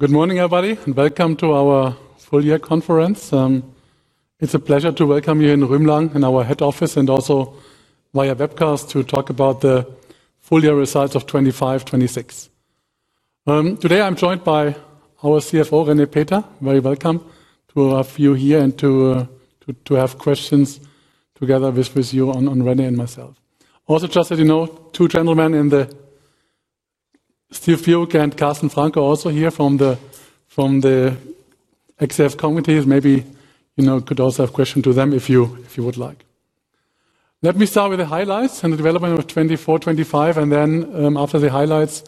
Good morning, everybody, and welcome to our full-year conference. It's a pleasure to welcome you in Rümlang, in our head office, and also via webcast to talk about the full-year results of 2025-2026. Today, I'm joined by our CFO, René Peter. Very welcome to have you here and to have questions together with you on René and myself. Also, just so you know, two gentlemen in the... Steve Bewick and Carsten Franco are also here from the access committees. Maybe you could also have questions to them if you would like. Let me start with the highlights and the development of 2024-2025, and then after the highlights,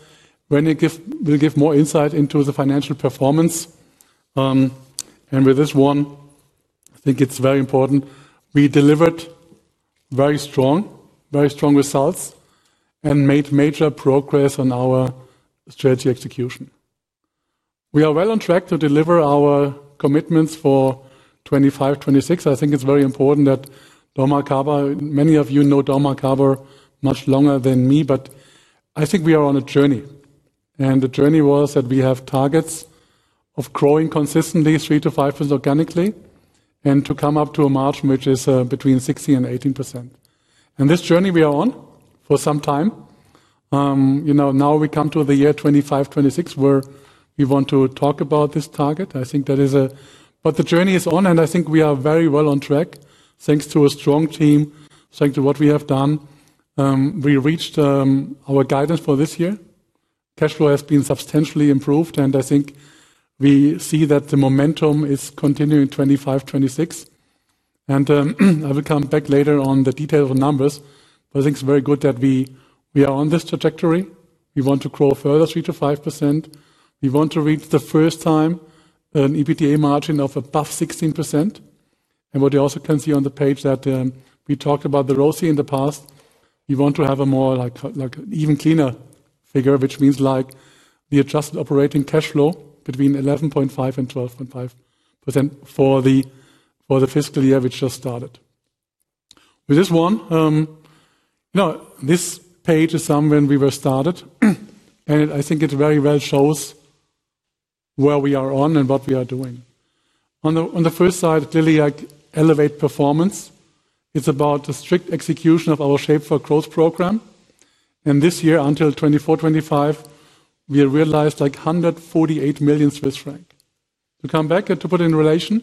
René will give more insight into the financial performance. With this one, I think it's very important. We delivered very strong, very strong results and made major progress on our strategy execution. We are well on track to deliver our commitments for 2025-2026. I think it's very important that dormakaba, many of you know dormakaba much longer than me, but I think we are on a journey. The journey was that we have targets of growing consistently 3%- 5% organically and to come up to a margin which is between 16% and 18%. This journey we are on for some time. Now we come to the year 2025-2026 where we want to talk about this target. I think that is what the journey is on, and I think we are very well on track thanks to a strong team, thanks to what we have done. We reached our guidance for this year. Cash flow has been substantially improved, and I think we see that the momentum is continuing 2025-2026. I will come back later on the details of the numbers. I think it's very good that we are on this trajectory. We want to grow further 3%- 5%. We want to reach the first time an EBITDA margin of above 16%. What you also can see on the page that we talked about the return on capital employed in the past, we want to have a more like even cleaner figure, which means like the adjusted operating cash flow between 11.5% and 12.5% for the fiscal year which just started. With this one, this page is somewhere we were started, and I think it very well shows where we are on and what we are doing. On the first slide, Till Reuter, elevate performance. It's about the strict execution of our Shape for Growth program. This year until 2024-2025, we realized like 148 million Swiss franc. To come back and to put it in relation,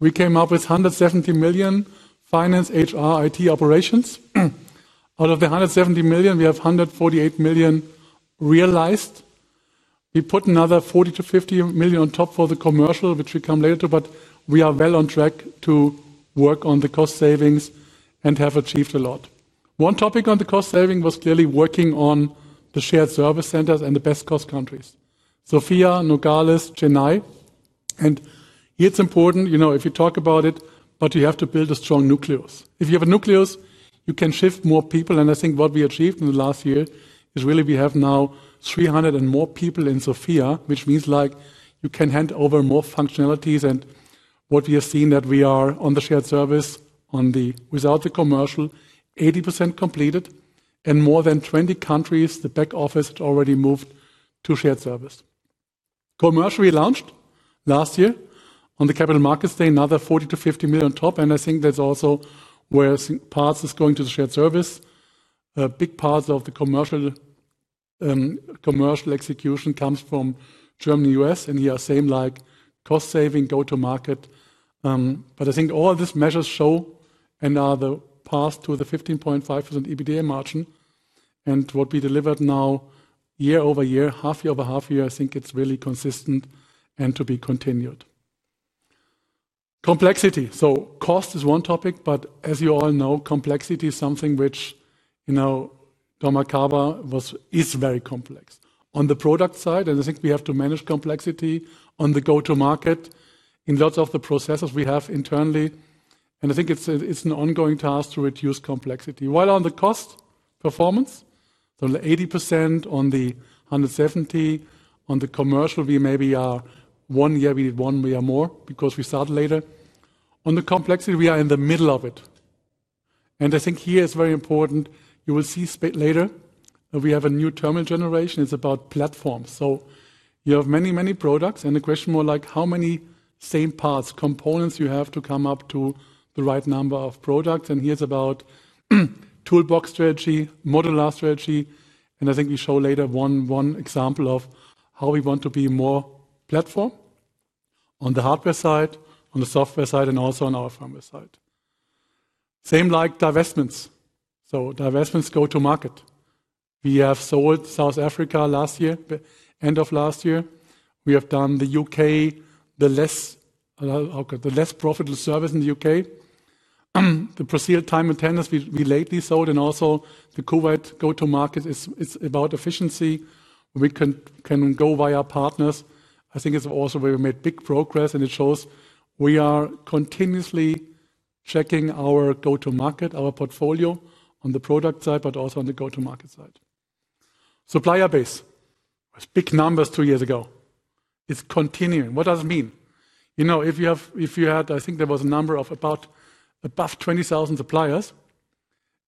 we came up with 170 million finance, HR, IT operations. Out of the 170 million, we have 148 million realized. We put another $40 million- $50 million on top for the commercial, which we come later to, but we are well on track to work on the cost savings and have achieved a lot. One topic on the cost saving was clearly working on the shared service centers and the best cost countries, Sofia, Nogales, Chennai. It's important, you know, if you talk about it, but you have to build a strong nucleus. If you have a nucleus, you can shift more people. I think what we achieved in the last year is really we have now 300 and more people in Sofia, which means you can hand over more functionalities. What we have seen is that we are on the shared service, on the without the commercial, 80% completed, and more than 20 countries, the back office already moved to shared service. Commercial, we launched last year on the Capital Markets Day, another $40 million- $50 million on top. I think that's also where parts are going to the shared service. Big parts of the commercial execution come from Germany and the U.S. Here are same like cost saving, go-to-market. I think all of these measures show and are the path to the 15.5% EBITDA margin. What we delivered now year- over- year, half year over half year, I think it's really consistent and to be continued. Complexity. Cost is one topic, but as you all know, complexity is something which, you know, dormakaba is very complex. On the product side, I think we have to manage complexity on the go-to-market in lots of the processes we have internally. I think it's an ongoing task to reduce complexity. While on the cost performance, the 80% on the 170, on the commercial, we maybe are one year, we are more because we start later. On the complexity, we are in the middle of it. I think here it's very important. You will see later, we have a new terminal generation. It's about platforms. You have many, many products. The question more like how many same parts, components you have to come up to the right number of products. Here it's about toolbox strategy, modular strategy. I think we show later one example of how we want to be more platform on the hardware side, on the software side, and also on our firmware side. Same like divestments. Divestments go-to-market. We have sold South Africa last year, end of last year. We have done the UK, the less profitable service in the UK. The Brazil time and tenders, we lately sold. Also the Kuwait go-to-market is about efficiency. We can go via partners. I think it's also where we made big progress. It shows we are continuously checking our go-to-market, our portfolio on the product side, but also on the go-to-market side. Supplier base, it's big numbers two years ago. It's continuing. What does it mean? You know, if you had, I think there was a number of about above 20,000 suppliers.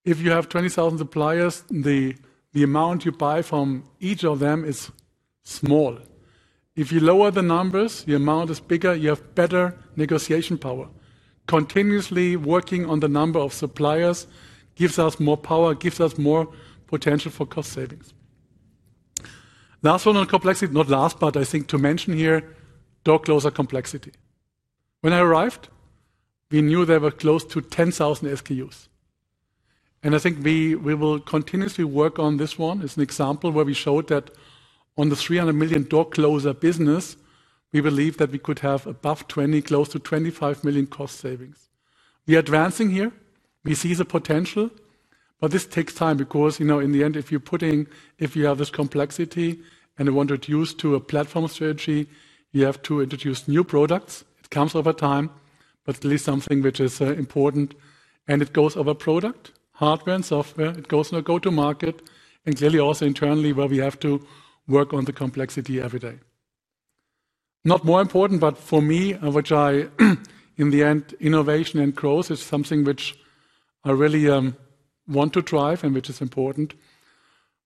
If you have 20,000 suppliers, the amount you buy from each of them is small. If you lower the numbers, the amount is bigger. You have better negotiation power. Continuously working on the number of suppliers gives us more power, gives us more potential for cost savings. Last one on complexity, not last, but I think to mention here, door closer complexity. When I arrived, we knew there were close to 10,000 SKUs. I think we will continuously work on this one. It's an example where we showed that on the $300 million door closer business, we believe that we could have above $20 million, close to $25 million cost savings. We are advancing here. We see the potential, but this takes time because, you know, in the end, if you're putting, if you have this complexity and you want to reduce to a platform strategy, you have to introduce new products. It comes over time, but at least something which is important. It goes over product, hardware and software. It goes in a go-to-market and clearly also internally where we have to work on the complexity every day. Not more important, but for me, which I in the end, innovation and growth is something which I really want to drive and which is important.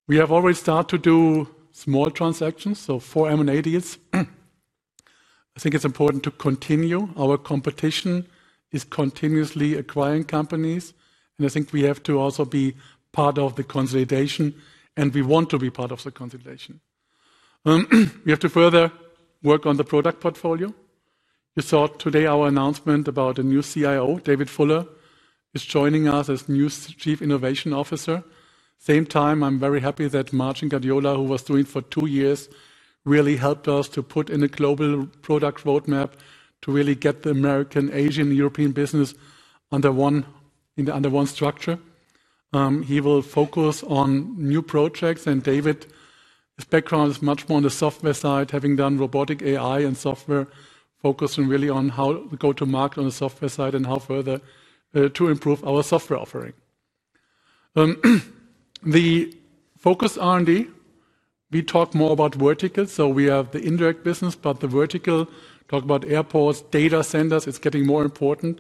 We have already started to do small transactions, so 4M and 80s. I think it's important to continue. Our competition is continuously acquiring companies. I think we have to also be part of the consolidation. We want to be part of the consolidation. We have to further work on the product portfolio. We saw today our announcement about a new CIO, David Fuller, who is joining us as new Chief Innovation Officer. Same time, I'm very happy that Magin Guardiola, who was doing for two years, really helped us to put in a global product roadmap to really get the American, Asian, and European business under one structure. He will focus on new projects. David's background is much more on the software side, having done robotic AI and software focusing really on how to go to market on the software side and how further to improve our software offering. The focus R&D, we talk more about verticals. We have the indirect business, but the vertical, talk about airports, data centers, it's getting more important.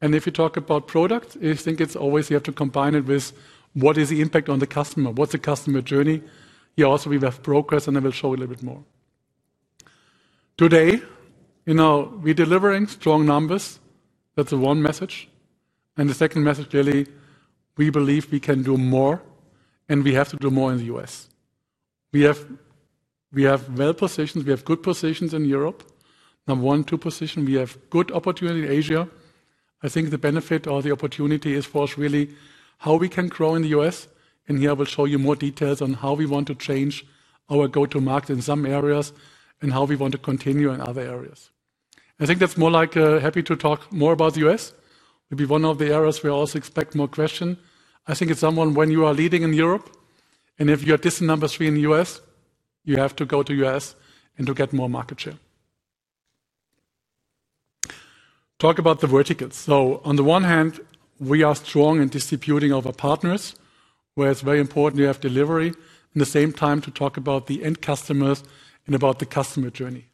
If you talk about products, I think it's always yet to combine it with what is the impact on the customer, what's the customer journey. We have progress and I will show you a little bit more. Today, you know, we're delivering strong numbers. That's the one message. The second message really, we believe we can do more and we have to do more in the U.S. We are well positioned, we have good positions in Europe. Number one, two position, we have good opportunity in Asia. I think the benefit or the opportunity is for us really how we can grow in the U.S. Here I will show you more details on how we want to change our go-to-market in some areas and how we want to continue in other areas. I think that's more like happy to talk more about the U.S. It will be one of the areas we also expect more questions. I think it's someone when you are leading in Europe and if you are distant number three in the U.S., you have to go to the U.S. and to get more market share. Talk about the verticals. On the one hand, we are strong in distributing of our partners, where it's very important you have delivery and at the same time to talk about the end customers and about the customer journey.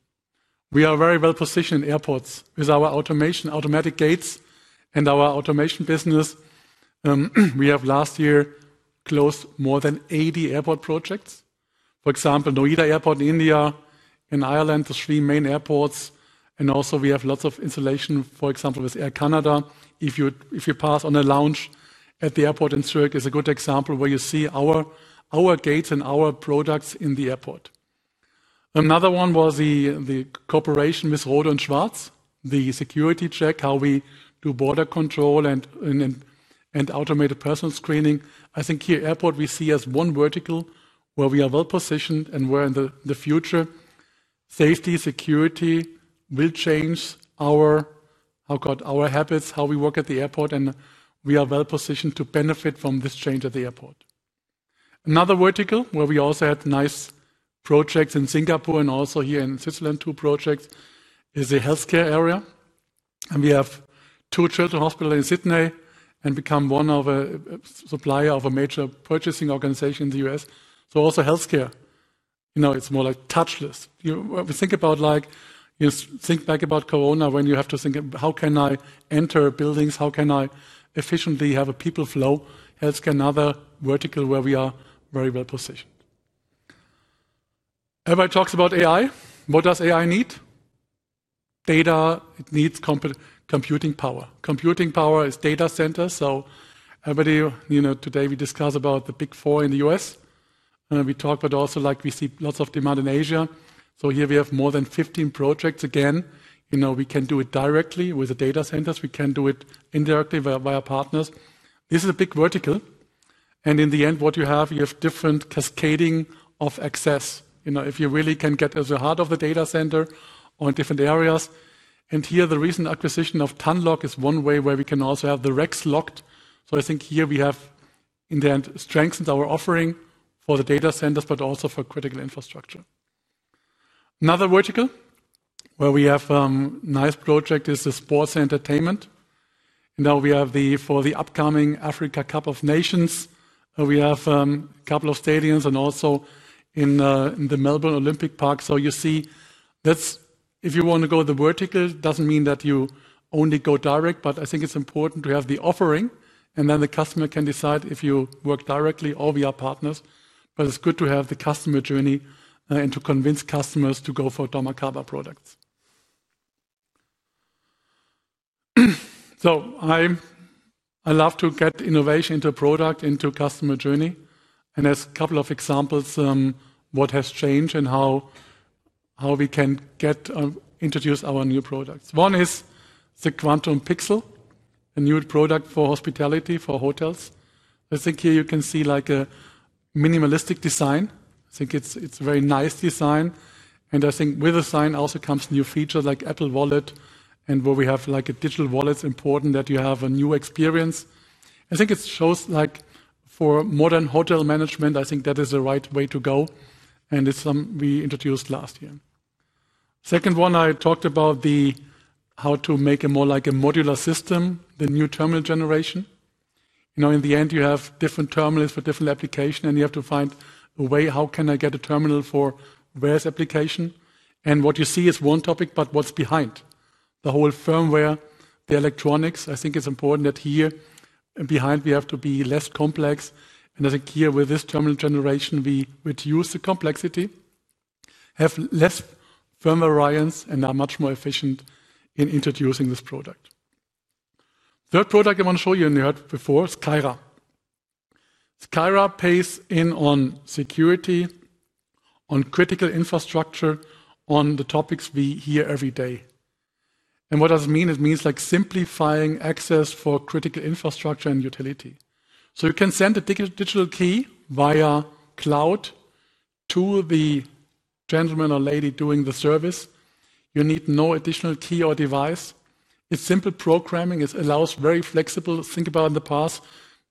We are very well positioned in airports with our automation, automatic gates, and our automation business. Last year we closed more than 80 airport projects. For example, Nohida Airport in India and Ireland, the three main airports. We have lots of installation, for example, with Air Canada. If you pass on a lounge at the airport in Zurich, it's a good example where you see our gates and our products in the airport. Another one was the cooperation with Rhodes and Schwartz, the security check, how we do border control and automated personal screening. I think here at airport, we see as one vertical where we are well positioned and where in the future safety, security will change our habits, how we work at the airport, and we are well positioned to benefit from this change at the airport. Another vertical where we also had nice projects in Singapore and also here in Switzerland, two projects is the healthcare area. We have two children hospitals in Sydney and become one of a supplier of a major purchasing organization in the U.S. Also healthcare, you know, it's more like touchless. You think back about corona when you have to think of how can I enter buildings, how can I efficiently have a people flow. Healthcare is another vertical where we are very well positioned. Everybody talks about AI. What does AI need? Data, it needs computing power. Computing power is data centers. Everybody, today we discuss about the big four in the U.S. We talk about also like we see lots of demand in Asia. Here we have more than 15 projects again. We can do it directly with the data centers. We can do it indirectly via partners. This is a big vertical. In the end, what you have, you have different cascading of access. If you really can get to the heart of the data center on different areas. The recent acquisition of Tunnelog is one way where we can also have the racks locked. I think here we have in the end strengthened our offering for the data centers, but also for critical infrastructure. Another vertical where we have a nice project is the sports and entertainment. Now we have for the upcoming Africa Cup of Nations, we have a couple of stadiums and also in the Melbourne Olympic Park. You see that's if you want to go to the vertical, it doesn't mean that you only go direct, but I think it's important to have the offering and then the customer can decide if you work directly or we are partners. It's good to have the customer journey and to convince customers to go for dormakaba products. I love to get innovation into product, into customer journey. As a couple of examples, what has changed and how we can get introduced to our new products. One is the Quantum Pixel, a new product for hospitality for hotels. I think here you can see like a minimalistic design. I think it's a very nice design. I think with the design also comes new features like Apple Wallet and where we have like a digital wallet. It's important that you have a new experience. I think it shows like for modern hotel management, I think that is the right way to go. It's something we introduced last year. Second one, I talked about how to make it more like a modular system, the new terminal generation. In the end, you have different terminals for different applications and you have to find a way how can I get a terminal for where's application. What you see is one topic, but what's behind the whole firmware, the electronics. I think it's important that here behind we have to be less complex. I think here with this terminal generation, we reduce the complexity, have less firmware variance, and are much more efficient in introducing this product. Third product I want to show you and you heard before is Kaira. Kaira pays in on security, on critical infrastructure, on the topics we hear every day. What does it mean? It means like simplifying access for critical infrastructure and utility. You can send a digital key via cloud to the gentleman or lady doing the service. You need no additional key or device. It's simple programming. It allows very flexible. Think about in the past,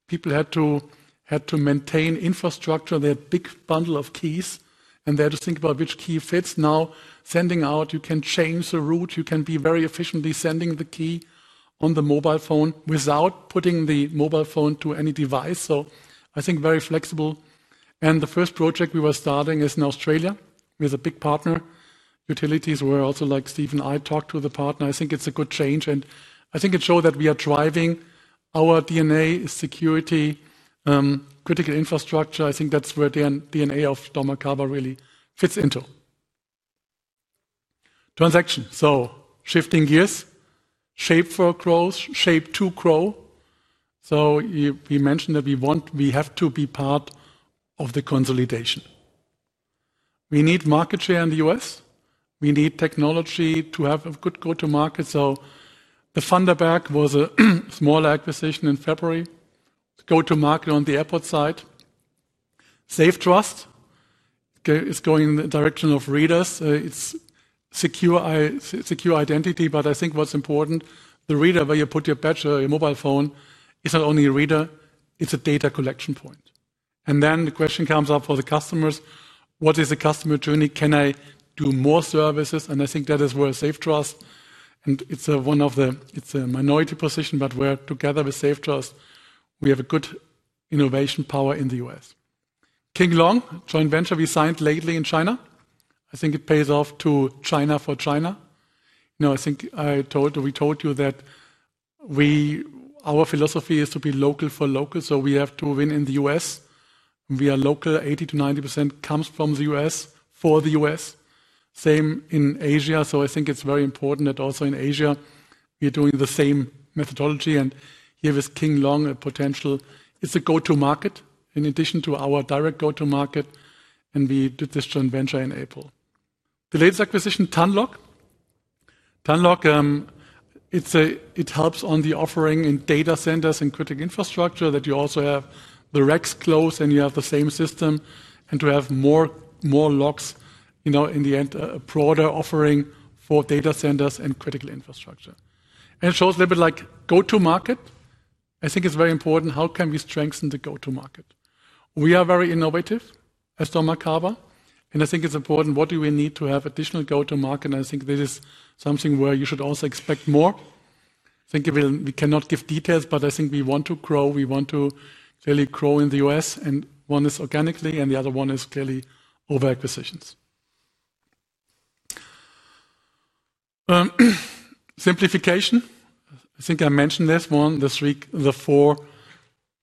people had to maintain infrastructure. They had a big bundle of keys and they had to think about which key fits. Now sending out, you can change the route. You can be very efficiently sending the key on the mobile phone without putting the mobile phone to any device. I think very flexible. The first project we were starting is in Australia with a big partner. Utilities were also like Steven and I talked to the partner. I think it's a good change and I think it shows that we are driving our DNA, security, critical infrastructure. I think that's where the DNA of dormakaba really fits into. Transaction. Shifting gears, Shape for Growth, shape to grow. We mentioned that we want, we have to be part of the consolidation. We need market share in the U.S. We need technology to have a good go-to-market. The Thunderback was a small acquisition in February, go-to-market on the airport side. SafeTrust is going in the direction of readers. It's secure identity, but I think what's important, the reader where you put your batch, your mobile phone, is not only a reader, it's a data collection point. The question comes up for the customers, what is the customer journey? Can I do more services? I think that is where SafeTrust, and it's one of the, it's a minority position, but we're together with SafeTrust. We have a good innovation power in the U.S. King Long joint venture we signed lately in China. I think it pays off to China for China. You know, I think I told, we told you that our philosophy is to be local for local. We have to win in the U.S. We are local. 80%- 90% comes from the U.S. for the U.S. Same in Asia. I think it's very important that also in Asia we're doing the same methodology. Here is King Long, a potential. It's a go-to-market in addition to our direct go-to-market. We did this joint venture in April. The latest acquisition, Tunnelog. Tunnelog helps on the offering in data centers and critical infrastructure, that you also have the racks closed and you have the same system. To have more locks, in the end, a broader offering for data centers and critical infrastructure. It shows a little bit like go-to-market. I think it's very important. How can we strengthen the go-to-market? We are very innovative as dormakaba. I think it's important. What do we need to have additional go-to-market? I think this is something where you should also expect more. I think we cannot give details, but we want to grow. We want to really grow in the US. One is organically and the other one is clearly over acquisitions. Simplification. I think I mentioned this one, the three, the four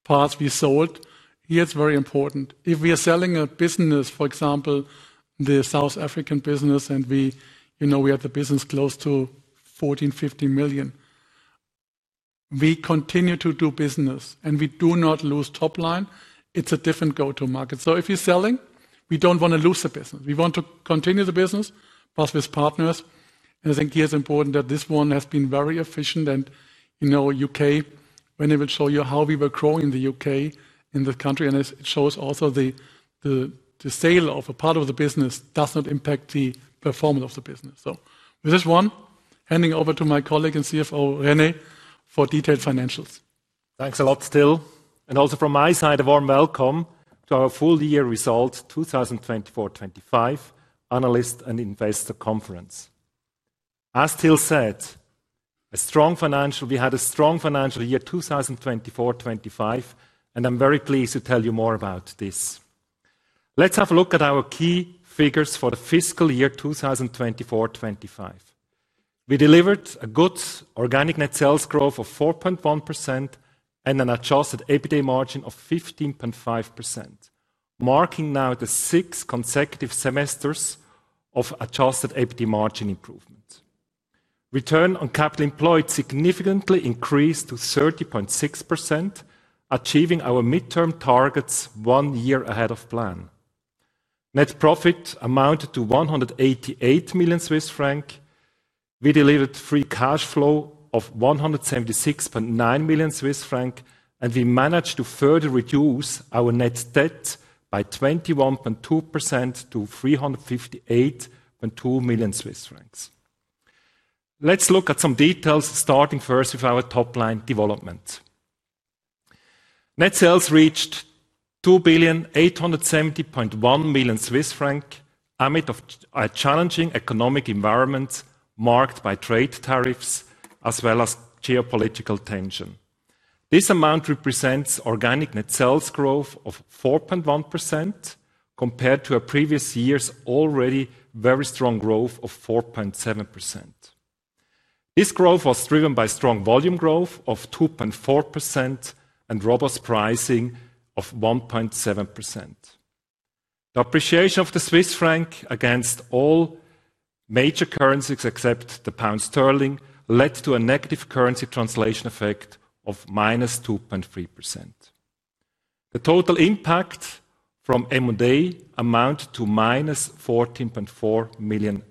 parts we sold. Here it's very important. If we are selling a business, for example, the South African business, and we had the business close to $14 million, $15 million. We continue to do business and we do not lose top line. It's a different go-to-market. If you're selling, we don't want to lose the business. We want to continue the business, plus with partners. I think here it's important that this one has been very efficient. UK, when it will show you how we were growing in the UK, in this country, and it shows also the sale of a part of the business does not impact the performance of the business. With this one, handing over to my colleague and CFO, René, for detailed financials. Thanks a lot, Till. Also from my side, a warm welcome to our full-year results 2024-2025 Analyst and Investor Conference. As Till said, we had a strong financial year 2024-2025, and I'm very pleased to tell you more about this. Let's have a look at our key figures for the fiscal year 2024-2025. We delivered a good organic net sales growth of 4.1% and an adjusted EBITDA margin of 15.5%, marking now the six consecutive semesters of adjusted EBITDA margin improvement. Return on capital employed significantly increased to 30.6%, achieving our midterm targets one year ahead of plan. Net profit amounted to 188 million Swiss franc. We delivered free cash flow of 176.9 million Swiss franc, and we managed to further reduce our net debt by 21.2% to 358.2 million Swiss francs. Let's look at some details, starting first with our top line development. Net sales reached 2,870.1 million Swiss francs amid a challenging economic environment marked by trade tariffs as well as geopolitical tension. This amount represents organic net sales growth of 4.1% compared to a previous year's already very strong growth of 4.7%. This growth was driven by strong volume growth of 2.4% and robust pricing of 1.7%. The appreciation of the Swiss franc against all major currencies except the pound sterling led to a negative currency translation effect of -2.3%. The total impact from Emmanuel amounted to -CHF 14.4 million.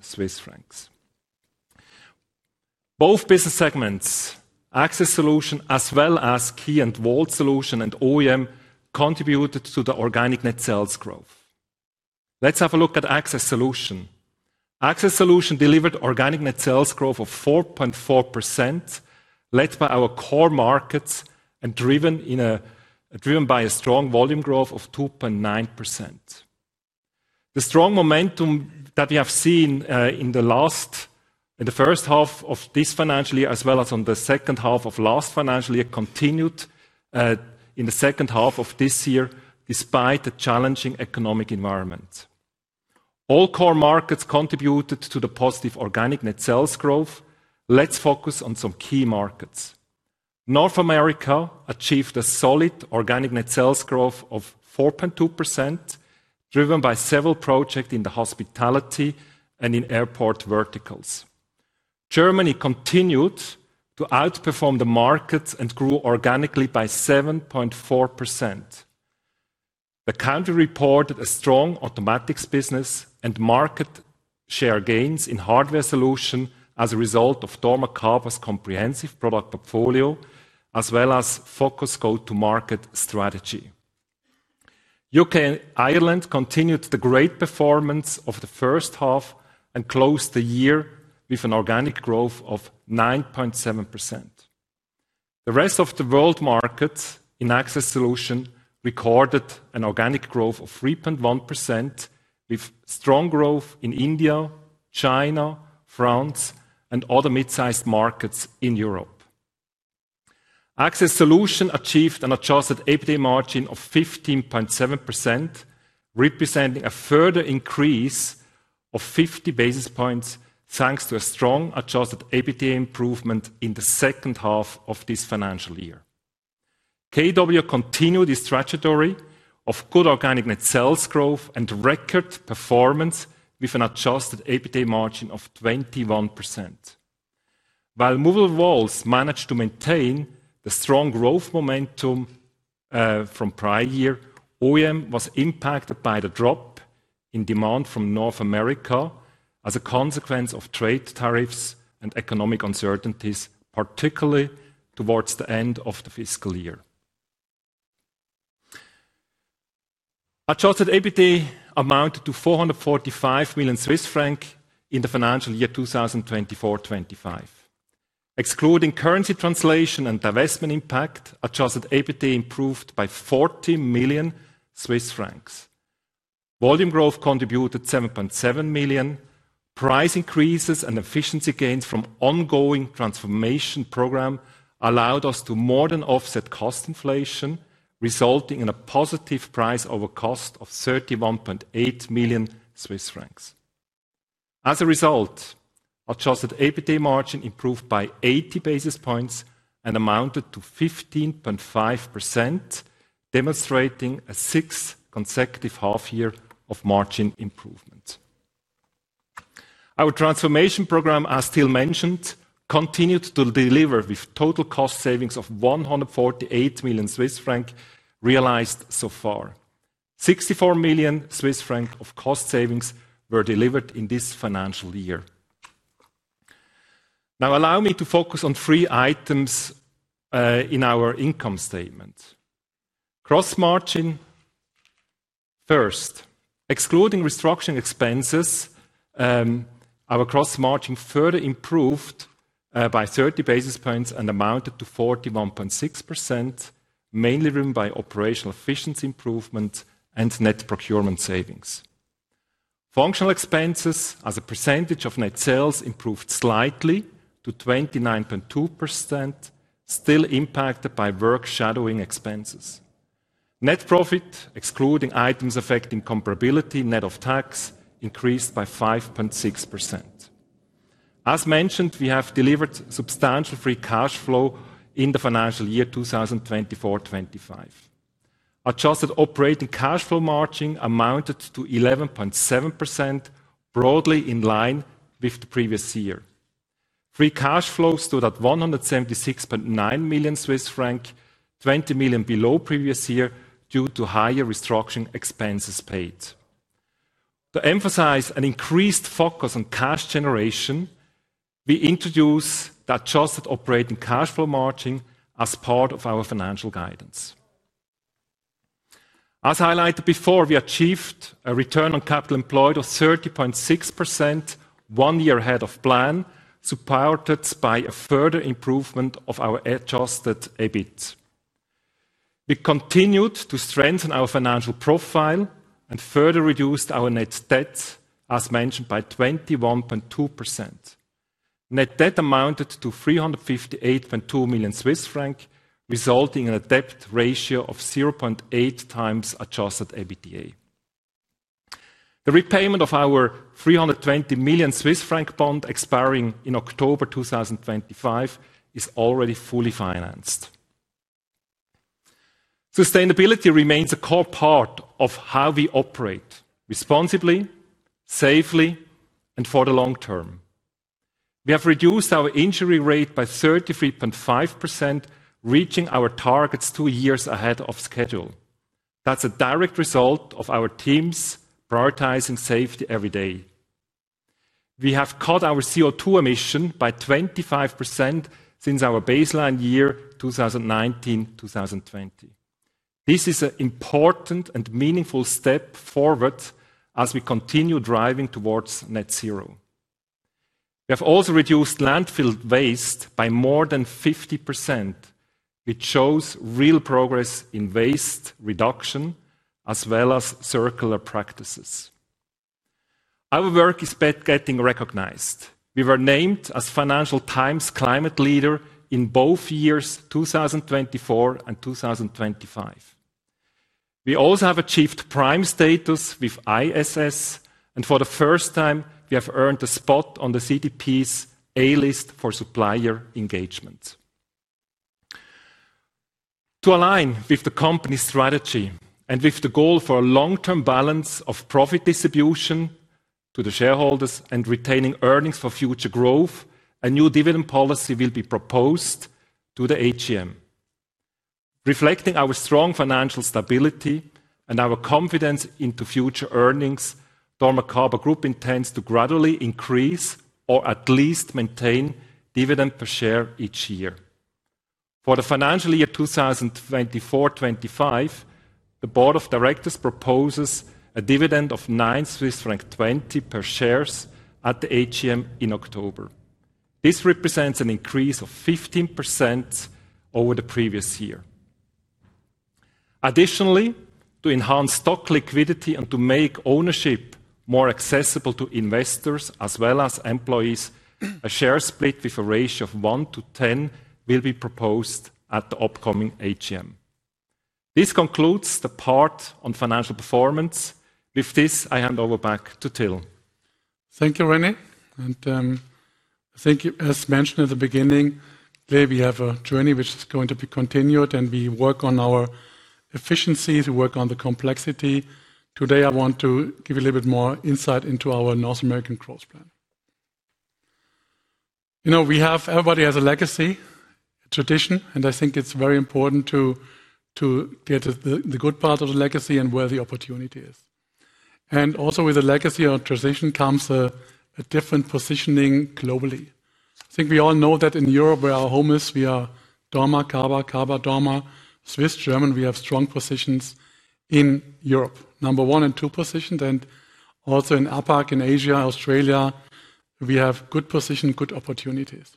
Both business segments, Access Solutions as well as Key & Vault Solutions and OEM, contributed to the organic net sales growth. Let's have a look at Access Solutions. Access Solutions delivered organic net sales growth of 4.4% led by our core markets and driven by a strong volume growth of 2.9%. The strong momentum that we have seen in the first half of this financial year as well as in the second half of last financial year continued in the second half of this year despite a challenging economic environment. All core markets contributed to the positive organic net sales growth. Let's focus on some key markets. North America achieved a solid organic net sales growth of 4.2% driven by several projects in the hospitality and in airport verticals. Germany continued to outperform the markets and grew organically by 7.4%. The country reported a strong automatics business and market share gains in hardware solutions as a result of dormakaba's comprehensive product portfolio as well as focused go-to-market strategy. UK and Ireland continued the great performance of the first half and closed the year with an organic growth of 9.7%. The rest of the world markets in Access Solutions recorded an organic growth of 3.1% with strong growth in India, China, France, and other mid-sized markets in Europe. Access Solutions achieved an adjusted EBITDA margin of 15.7%, representing a further increase of 50 basis points thanks to a strong adjusted EBITDA improvement in the second half of this financial year. Key & Vault Solutions continued its trajectory of good organic net sales growth and record performance with an adjusted EBITDA margin of 21%. While movable walls managed to maintain the strong growth momentum from prior years, OEM was impacted by the drop in demand from North America as a consequence of trade tariffs and economic uncertainties, particularly towards the end of the fiscal year. Adjusted EBITDA amounted to 445 million Swiss francs in the financial year 2024-2025. Excluding currency translation and divestment impact, adjusted EBITDA improved by 14 million Swiss francs. Volume growth contributed 7.7 million. Price increases and efficiency gains from the ongoing transformation program allowed us to more than offset cost inflation, resulting in a positive price over cost of 31.8 million Swiss francs. As a result, adjusted EBITDA margin improved by 80 basis points and amounted to 15.5%, demonstrating a sixth consecutive half year of margin improvement. Our transformation program, as Till mentioned, continued to deliver with total cost savings of 148 million Swiss francs realized so far. 64 million Swiss francs of cost savings were delivered in this financial year. Now allow me to focus on three items in our income statement. Gross margin, first, excluding restructuring expenses, our gross margin further improved by 30 basis points and amounted to 41.6%, mainly driven by operational efficiency improvement and net procurement savings. Functional expenses as a percentage of net sales improved slightly to 29.2%, still impacted by work shadowing expenses. Net profit, excluding items affecting comparability, net of tax increased by 5.6%. As mentioned, we have delivered substantial free cash flow in the financial year 2024-2025. Adjusted operating cash flow margin amounted to 11.7%, broadly in line with the previous year. Free cash flow stood at 176.9 million Swiss franc, 20 million below previous year due to higher restructuring expenses paid. To emphasize an increased focus on cash generation, we introduced the adjusted operating cash flow margin as part of our financial guidance. As highlighted before, we achieved a return on capital employed of 30.6% one year ahead of plan, supported by a further improvement of our adjusted EBITDA. We continued to strengthen our financial profile and further reduced our net debt, as mentioned, by 21.2%. Net debt amounted to 358.2 million Swiss francs, resulting in a debt ratio of 0.8x adjusted EBITDA. The repayment of our 320 million Swiss franc bond expiring in October 2025 is already fully financed. Sustainability remains a core part of how we operate responsibly, safely, and for the long term. We have reduced our injury rate by 33.5%, reaching our targets two years ahead of schedule. That's a direct result of our teams prioritizing safety every day. We have cut our CO₂ emissions by 25% since our baseline year 2019-2020. This is an important and meaningful step forward as we continue driving towards net zero. We have also reduced landfill waste by more than 50%, which shows real progress in waste reduction as well as circular practices. Our work is getting recognized. We were named as Financial Times Climate Leader in both years 2024 and 2025. We also have achieved Prime status with ISS, and for the first time, we have earned a spot on the CDP's A-list for supplier engagement. To align with the company's strategy and with the goal for a long-term balance of profit distribution to the shareholders and retaining earnings for future growth, a new dividend policy will be proposed to the AGM. Reflecting our strong financial stability and our confidence into future earnings, dormakaba Holding AG intends to gradually increase or at least maintain dividend per share each year. For the financial year 2024-2025, the Board of Directors proposes a dividend of 9.20 Swiss franc per share at the AGM in October. This represents an increase of 15% over the previous year. Additionally, to enhance stock liquidity and to make ownership more accessible to investors as well as employees, a share split with a ratio of 1 to 10 will be proposed at the upcoming AGM. This concludes the part on financial performance. With this, I hand over back to Till. Thank you, René. Thank you, as mentioned at the beginning, today we have a journey which is going to be continued and we work on our efficiencies, we work on the complexity. Today I want to give you a little bit more insight into our North American growth plan. You know, we have, everybody has a legacy, a tradition, and I think it's very important to get the good part of the legacy and where the opportunity is. Also with the legacy or tradition comes a different positioning globally. I think we all know that in Europe, where our home is, we are dormakaba, Kaba Dorma, Swiss, German. We have strong positions in Europe, number one and two positions, and also in Asia-Pacific, in Asia, Australia. We have good positions, good opportunities.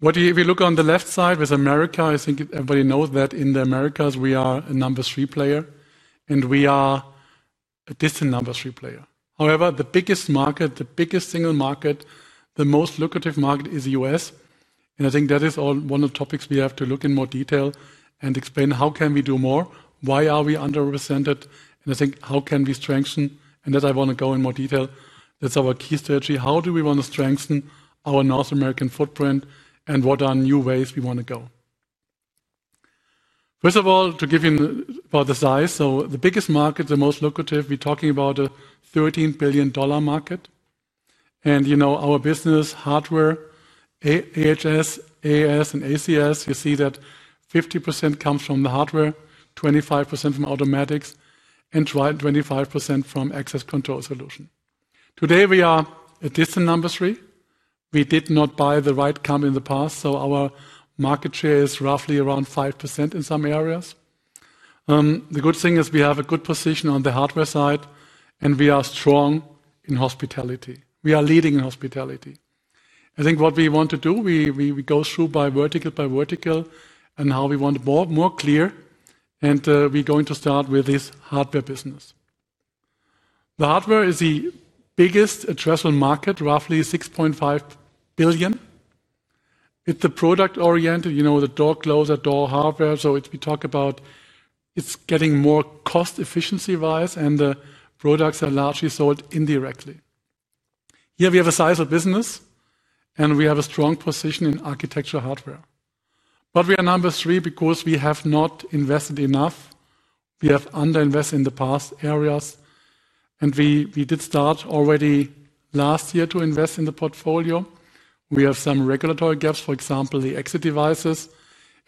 What we look on the left side with America, I think everybody knows that in the Americas we are a number three player and we are a distant number three player. However, the biggest market, the biggest single market, the most lucrative market is the U.S. I think that is all one of the topics we have to look in more detail and explain how can we do more, why are we underrepresented, and I think how can we strengthen. As I want to go in more detail, that's our key strategy. How do we want to strengthen our North American footprint and what are new ways we want to go? First of all, to give you about the size, so the biggest markets, the most lucrative, we're talking about a $13 billion market. You know, our business hardware, AHS, AAS, and ACS, you see that 50% comes from the hardware, 25% from automatics, and 25% from access control solutions. Today we are a distant number three. We did not buy the right company in the past, so our market share is roughly around 5% in some areas. The good thing is we have a good position on the hardware side and we are strong in hospitality. We are leading in hospitality. I think what we want to do, we go through by vertical by vertical and how we want to be more clear. We're going to start with this hardware business. The hardware is the biggest addressable market, roughly $6.5 billion. It's the product-oriented, you know, the door closer, door hardware. We talk about it's getting more cost efficiency-wise and the products are largely sold indirectly. We have a sizable business and we have a strong position in architecture hardware. We are number three because we have not invested enough. We have underinvested in the past areas and we did start already last year to invest in the portfolio. We have some regulatory gaps, for example, the exit devices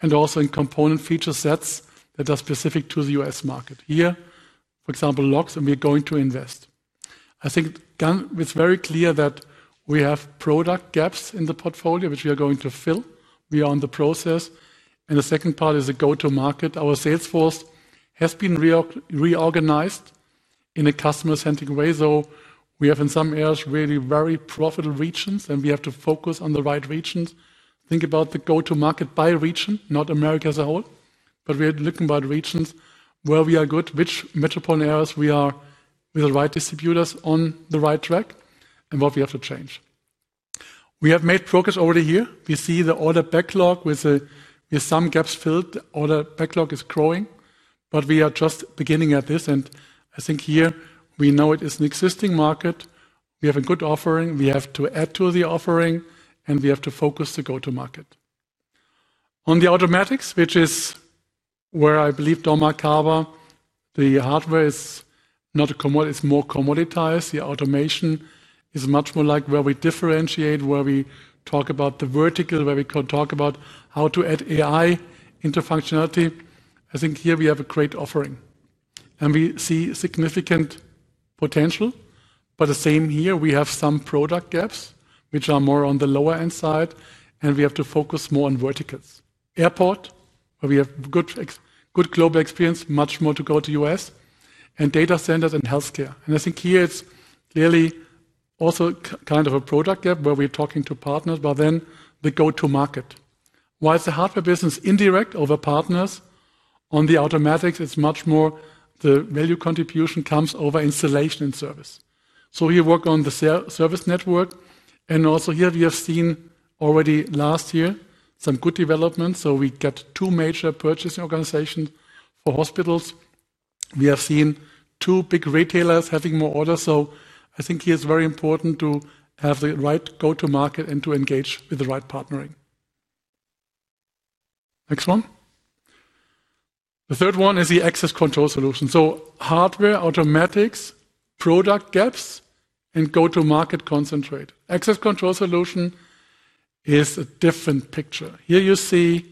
and also in component feature sets that are specific to the U.S. market. Here, for example, locks, and we're going to invest. I think it's very clear that we have product gaps in the portfolio which we are going to fill. We are in the process. The second part is a go-to-market. Our sales force has been reorganized in a customer-centric way. We have in some areas really very profitable regions and we have to focus on the right regions. Think about the go-to-market by region, not America as a whole, but we're looking at regions where we are good, which metropolitan areas we are with the right distributors on the right track and what we have to change. We have made progress over the year. We see the order backlog with some gaps filled. The order backlog is growing, but we are just beginning at this. I think here we know it is an existing market. We have a good offering. We have to add to the offering and we have to focus the go-to-market. On the automatics, which is where I believe dormakaba, the hardware is not a commodity, it's more commoditized. The automation is much more like where we differentiate, where we talk about the vertical, where we talk about how to add AI into functionality. I think here we have a great offering and we see significant potential. The same here, we have some product gaps which are more on the lower end side and we have to focus more on verticals. Airport, where we have good global experience, much more to go to the U.S. and data centers and healthcare. I think here it's really also kind of a product gap where we're talking to partners about then the go-to-market. While the hardware business is indirect over partners on the automatics, it's much more the value contribution comes over installation and service. We work on the service network and also here we have seen already last year some good developments. We got two major purchasing organizations for hospitals. We have seen two big retailers having more orders. I think here it's very important to have the right go-to-market and to engage with the right partnering. The third one is the access control solution. So hardware, automatics, product gaps, and go-to-market concentrate. Access control solution is a different picture. Here you see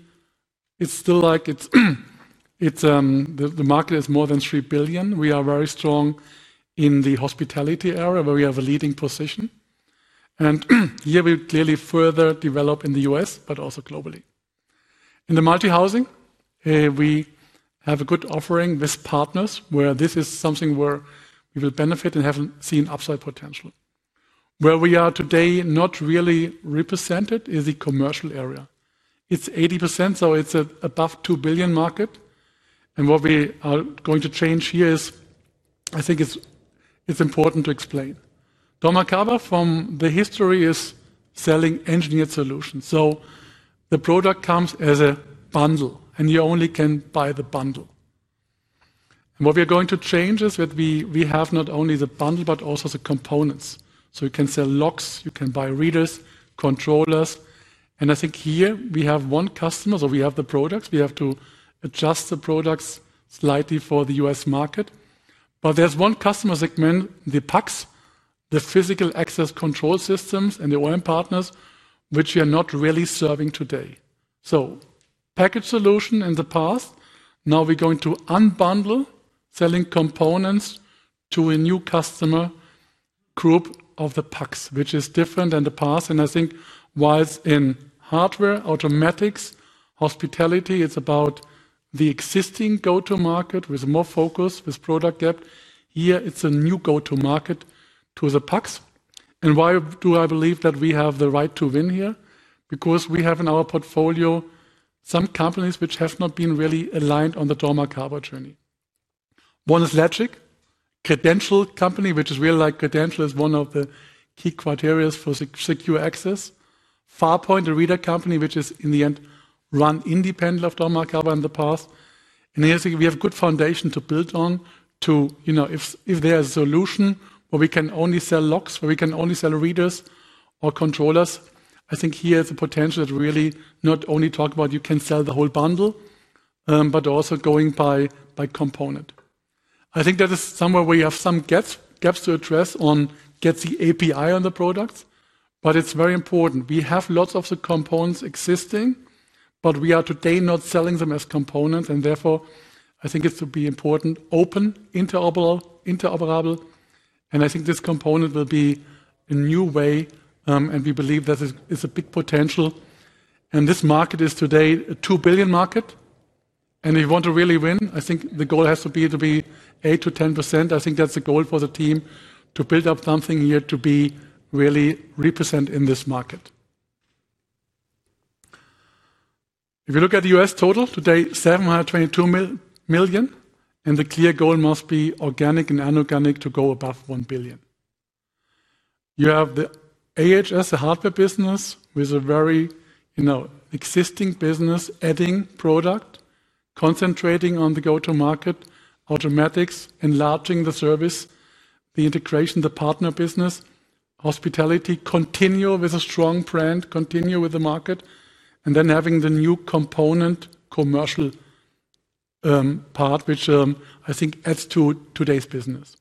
it's still like the market is more than $3 billion. We are very strong in the hospitality area where we have a leading position. Here we clearly further develop in the U.S. but also globally. In the multi-housing, we have a good offering with partners where this is something where we will benefit and haven't seen upside potential. Where we are today not really represented is the commercial area. It's 80%, so it's above $2 billion market. What we are going to change here is I think it's important to explain. dormakaba from the history is selling engineered solutions. The product comes as a bundle and you only can buy the bundle. What we are going to change is that we have not only the bundle but also the components. You can sell locks, you can buy readers, controllers. I think here we have one customer, so we have the products. We have to adjust the products slightly for the U.S. market. There's one customer segment, the PACs, the physical access control systems and the OEM partners, which we are not really serving today. Package solution in the past, now we're going to unbundle selling components to a new customer group of the PACs, which is different than the past. I think whilst in hardware, automatics, hospitality, it's about the existing go-to-market with more focus, with product depth. Here it's a new go-to-market to the PACs. Why do I believe that we have the right to win here? Because we have in our portfolio some companies which have not been really aligned on the dormakaba journey. One is Ledgic, a credentialed company, which is really like credential, is one of the key criteria for secure access. Farpoint, a reader company, which is in the end run independent of dormakaba in the past. Here we have a good foundation to build on to, you know, if there's a solution where we can only sell locks, where we can only sell readers or controllers. I think here is the potential to really not only talk about you can sell the whole bundle, but also going by component. I think that is somewhere where you have some gaps to address on getting the API on the products, but it's very important. We have lots of the components existing, but we are today not selling them as components. Therefore, I think it's to be important, open, interoperable. I think this component will be a new way, and we believe that it's a big potential. This market is today a $2 billion market. If you want to really win, I think the goal has to be to be 8%- 10%. I think that's the goal for the team to build up something here to be really represented in this market. If you look at the U.S. total today, $722 million, and the clear goal must be organic and anorganic to go above $1 billion. You have the AHS, the hardware business, with a very, you know, existing business adding product, concentrating on the go-to-market, automatics, enlarging the service, the integration, the partner business, hospitality, continue with a strong brand, continue with the market, and then having the new component commercial part, which I think adds to today's business.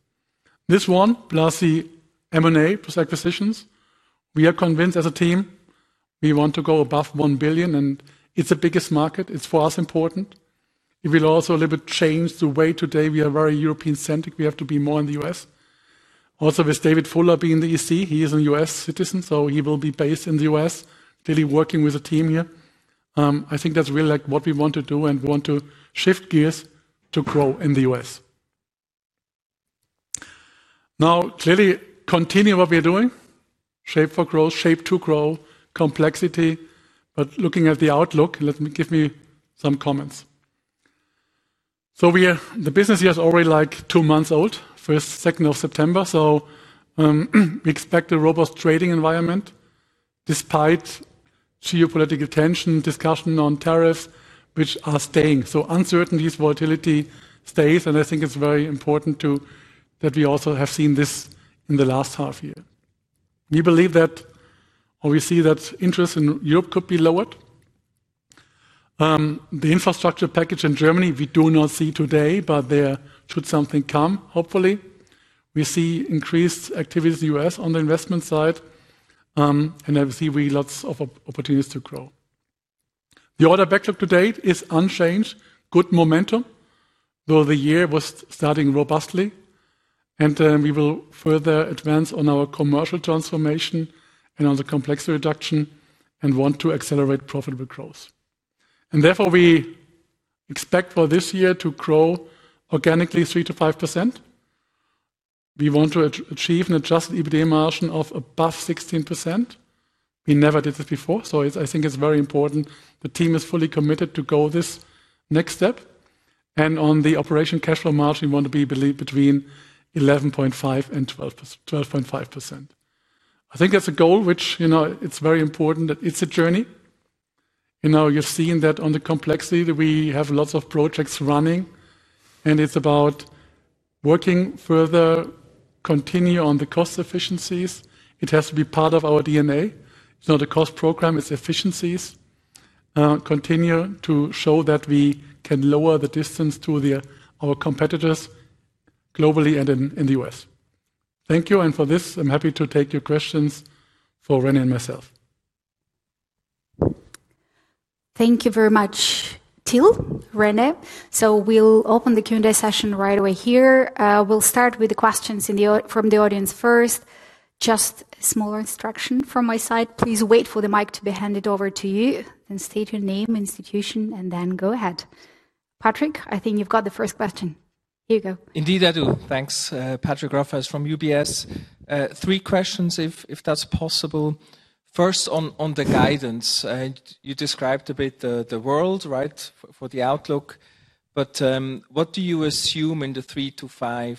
This one, lastly, M&A plus acquisitions. We are convinced as a team, we want to go above $1 billion, and it's the biggest market. It's for us important. It will also a little bit change the way today we are very European-centric. We have to be more in the U.S. Also, with David Fuller being the EC, he is a U.S. citizen, so he will be based in the U.S., really working with the team here. I think that's really like what we want to do and want to shift gears to grow in the U.S. Clearly continue what we're doing, Shape for Growth, shape to grow, complexity, but looking at the outlook, let me give some comments. The business year is already like two months old, first second of September. We expect a robust trading environment despite geopolitical tension, discussion on tariffs, which are staying. Uncertainties, volatility stays, and I think it's very important that we also have seen this in the last half year. We believe that, or we see that interest in Europe could be lowered. The infrastructure package in Germany, we do not see today, but there should something come, hopefully. We see increased activities in the U.S. on the investment side, and I see lots of opportunities to grow. The order backlog to date is unchanged, good momentum, though the year was starting robustly, and we will further advance on our commercial transformation and on the complexity reduction and want to accelerate profitable growth. Therefore, we expect for this year to grow organically 3 %- 5%. We want to achieve an adjusted EBITDA margin of above 16%. We never did this before, so I think it's very important. The team is fully committed to go this next step. On the operation cash flow margin, we want to be between 11.5% and 12.5%. I think that's a goal which, you know, it's very important that it's a journey. You know, you've seen that on the complexity that we have lots of projects running, and it's about working further, continue on the cost efficiencies. It has to be part of our DNA. The cost program is efficiencies. Continue to show that we can lower the distance to our competitors globally and in the U.S. Thank you. For this, I'm happy to take your questions for René and myself. Thank you very much, Till, René. We'll open the Q&A session right away here. We'll start with the questions from the audience first. Just a small instruction from my side: please wait for the mic to be handed over to you and state your name, institution, and then go ahead. Patrick, I think you've got the first question. Here you go. Indeed, I do. Thanks. Patrick Rafaisz from UBS. Three questions, if that's possible. First, on the guidance, you described a bit the world, right, for the outlook. What do you assume in the 3% - 5%,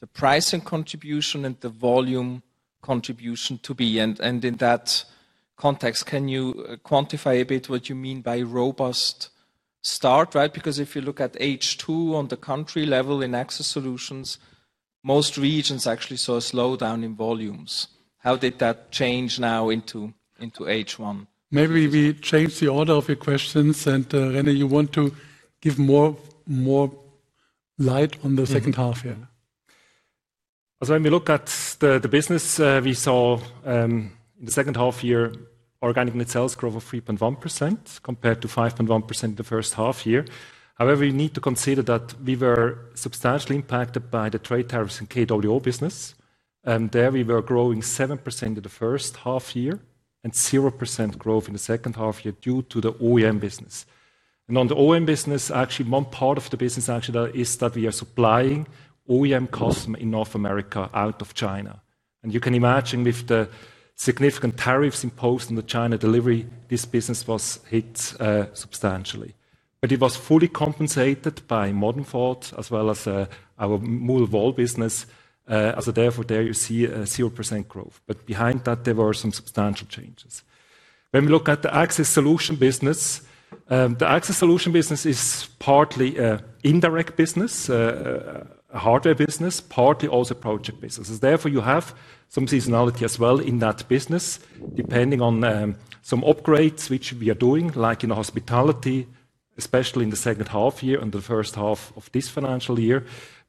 the pricing contribution and the volume contribution to be? In that context, can you quantify a bit what you mean by robust start? If you look at H2 on the country level in access solutions, most regions actually saw a slowdown in volumes. How did that change now into H1? Maybe we change the order of your questions. René, you want to give more light on the second half here. When we look at the business, we saw in the second half year, organic net sales grew 3.1% compared to 5.1% in the first half year. However, we need to consider that we were substantially impacted by the trade tariffs in the OEM business. There we were growing 7% in the first half year and 0% growth in the second half year due to the OEM business. The OEM business, actually one part of the business, is that we are supplying OEM customers in North America out of China. You can imagine with the significant tariffs imposed on the China delivery, this business was hit substantially. It was fully compensated by Modern Thought as well as our Mouleval business. Therefore, you see a 0% growth, but behind that, there were some substantial changes. When we look at the access solution business, the access solution business is partly an indirect business, a hardware business, and partly also a project business. Therefore, you have some seasonality as well in that business, depending on some upgrades which we are doing, like in hospitality, especially in the second half year and the first half of this financial year,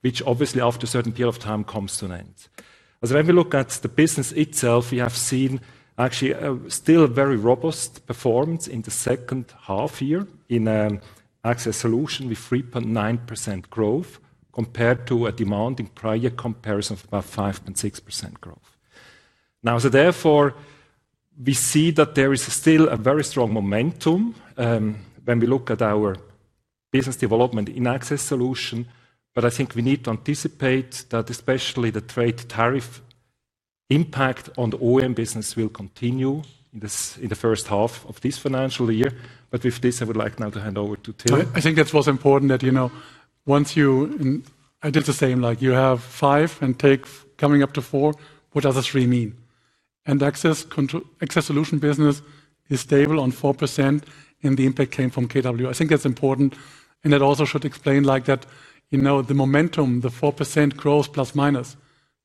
which obviously after a certain period of time comes to an end. As we look at the business itself, we have seen actually still a very robust performance in the second half year in access solution with 3.9% growth compared to a demand in prior comparison of about 5.6% growth. Therefore, we see that there is still a very strong momentum when we look at our business development in access solution. I think we need to anticipate that especially the trade tariff impact on the OEM business will continue in the first half of this financial year. With this, I would like now to hand over to Till. I think that's what's important, that you know once you, and I did the same, like you have five and take coming up to four, what does the three mean? The access solution business is stable on 4%, and the impact came from KW. I think that's important. It also should explain that, you know, the momentum, the 4%± growth,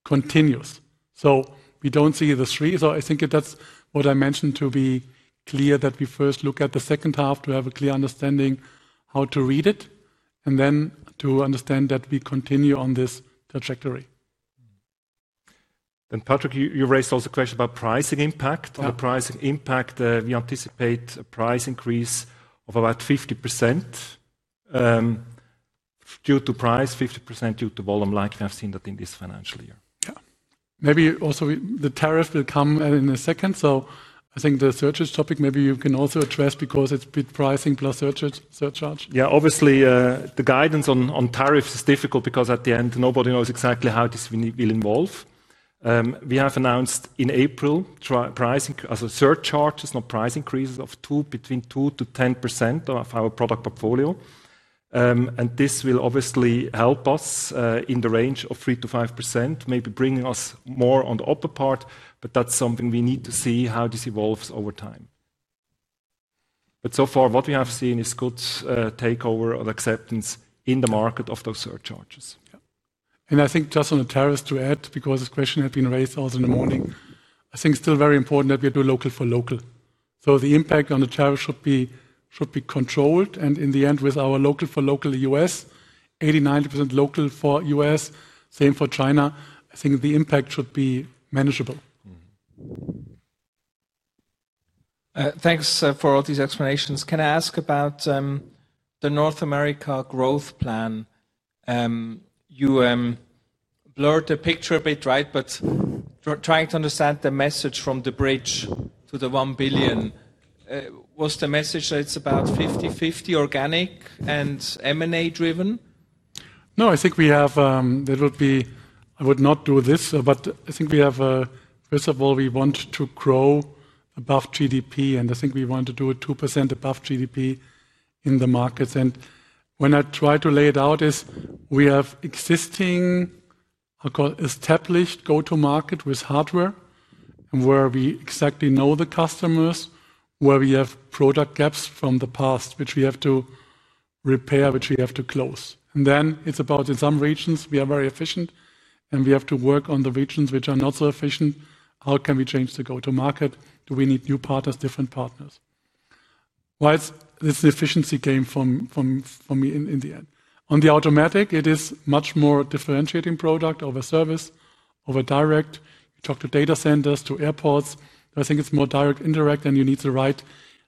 continues. We don't see the three. I think that's what I mentioned, to be clear, that we first look at the second half to have a clear understanding how to read it and then to understand that we continue on this trajectory. Patrick, you raised also a question about pricing impact. On the pricing impact, we anticipate a price increase of about 50% due to price, 50% due to volume, like we have seen that in this financial year. Maybe also the tariff will come in a second. I think the surcharge topic, maybe you can also address because it's a bit pricing plus surcharge. Yeah, obviously the guidance on tariffs is difficult because at the end nobody knows exactly how this will evolve. We have announced in April pricing as a surcharge, not price increases, of between 2% -1 0% of our product portfolio. This will obviously help us in the range of 3% - 5%, maybe bringing us more on the upper part. That is something we need to see how this evolves over time. So far, what we have seen is good takeover of acceptance in the market of those surcharges. I think just on the tariffs to add, because this question had been raised also in the morning, I think it's still very important that we do local for local. The impact on the tariffs should be controlled. In the end, with our local for local U.S., 80%-90% local for U.S., same for China, I think the impact should be manageable. Thanks for all these explanations. Can I ask about the North America growth plan? You blurred the picture a bit, right? Trying to understand the message from the bridge to the $1 billion, was the message that it's about 50-50 organic and M&A driven? I think we have, first of all, we want to grow above GDP, and I think we want to do it 2% above GDP in the markets. When I try to lay it out, we have existing, I'll call it established go-to-market with hardware and where we exactly know the customers, where we have product gaps from the past, which we have to repair, which we have to close. It's about in some regions we are very efficient and we have to work on the regions which are not so efficient. How can we change the go-to-market? Do we need new partners, different partners? Why is this efficiency game for me in the end? On the automatic, it is much more differentiating product over service, over direct. You talk to data centers, to airports. I think it's more direct, indirect, and you need the right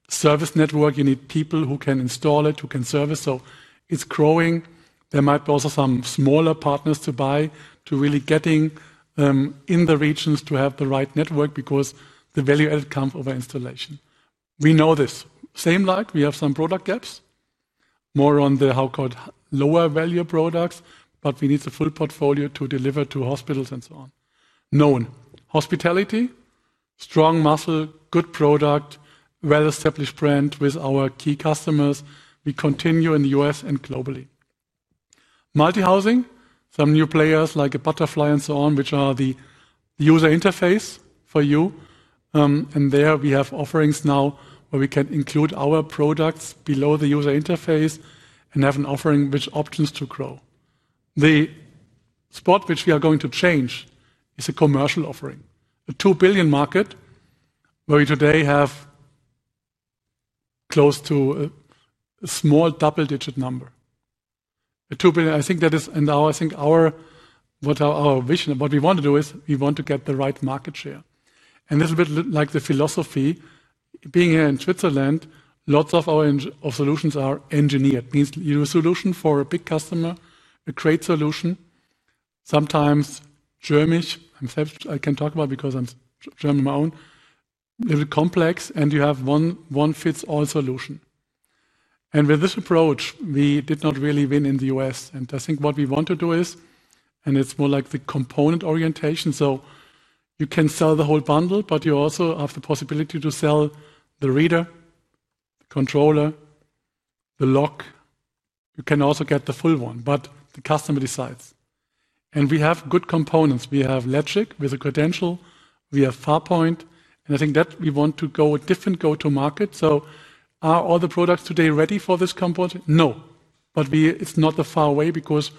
service network. You need people who can install it, who can service. It's growing. There might be also some smaller partners to buy to really get in the regions to have the right network because the value added comes over installation. We know this. Same like we have some product gaps, more on the so-called lower value products, but we need the full portfolio to deliver to hospitals and so on. Known hospitality, strong muscle, good product, well-established brand with our key customers. We continue in the US and globally. Multi-housing, some new players like a Butterfly and so on, which are the user interface for you. There we have offerings now where we can include our products below the user interface and have an offering with options to grow. The spot which we are going to change is a commercial offering. A $2 billion market where we today have close to a small double-digit number. A $2 billion, I think that is, and now I think what our vision and what we want to do is we want to get the right market share. This is a bit like the philosophy. Being here in Switzerland, lots of our solutions are engineered. It means you do a solution for a big customer, a great solution. Sometimes Germanish, I can talk about because I'm German alone, a little bit complex, and you have one fits all solution. With this approach, we did not really win in the US. I think what we want to do is, and it's more like the component orientation, so you can sell the whole bundle, but you also have the possibility to sell the reader, controller, the lock. You can also get the full one, but the customer decides. We have good components. We have Ledgic with a credential. We have Farpoint. I think that we want to go with different go-to-market. Are all the products today ready for this component? No, but it's not far away because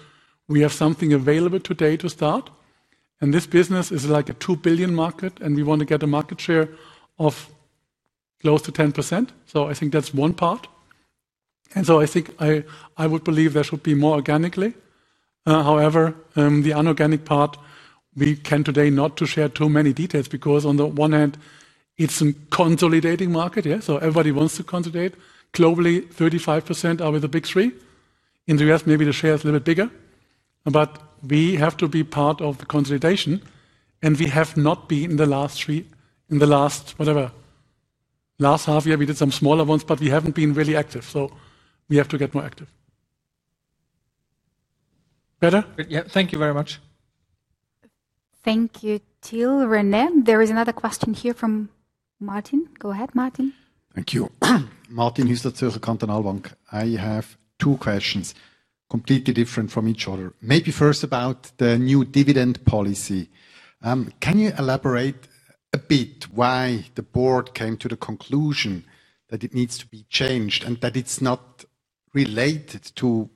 we have something available today to start. This business is like a $2 billion market, and we want to get a market share of close to 10%. I think that's one part. I think I would believe there should be more organically. However, the unorganic part, we can today not share too many details because on the one hand, it's a consolidating market. Everybody wants to consolidate. Globally, 35% are with the big three. In the U.S., maybe the share is a little bit bigger, but we have to be part of the consolidation. We have not been in the last three, in the last, whatever, last half year, we did some smaller ones, but we haven't been really active. We have to get more active. Better? Thank you very much. Thank you, Till, René. There is another question here from Martin. Go ahead, Martin. Thank you. Martin, here with the Circle Continental Bank. I have two questions, completely different from each other. Maybe first about the new dividend policy. Can you elaborate a bit why the board came to the conclusion that it needs to be changed and that it's not related to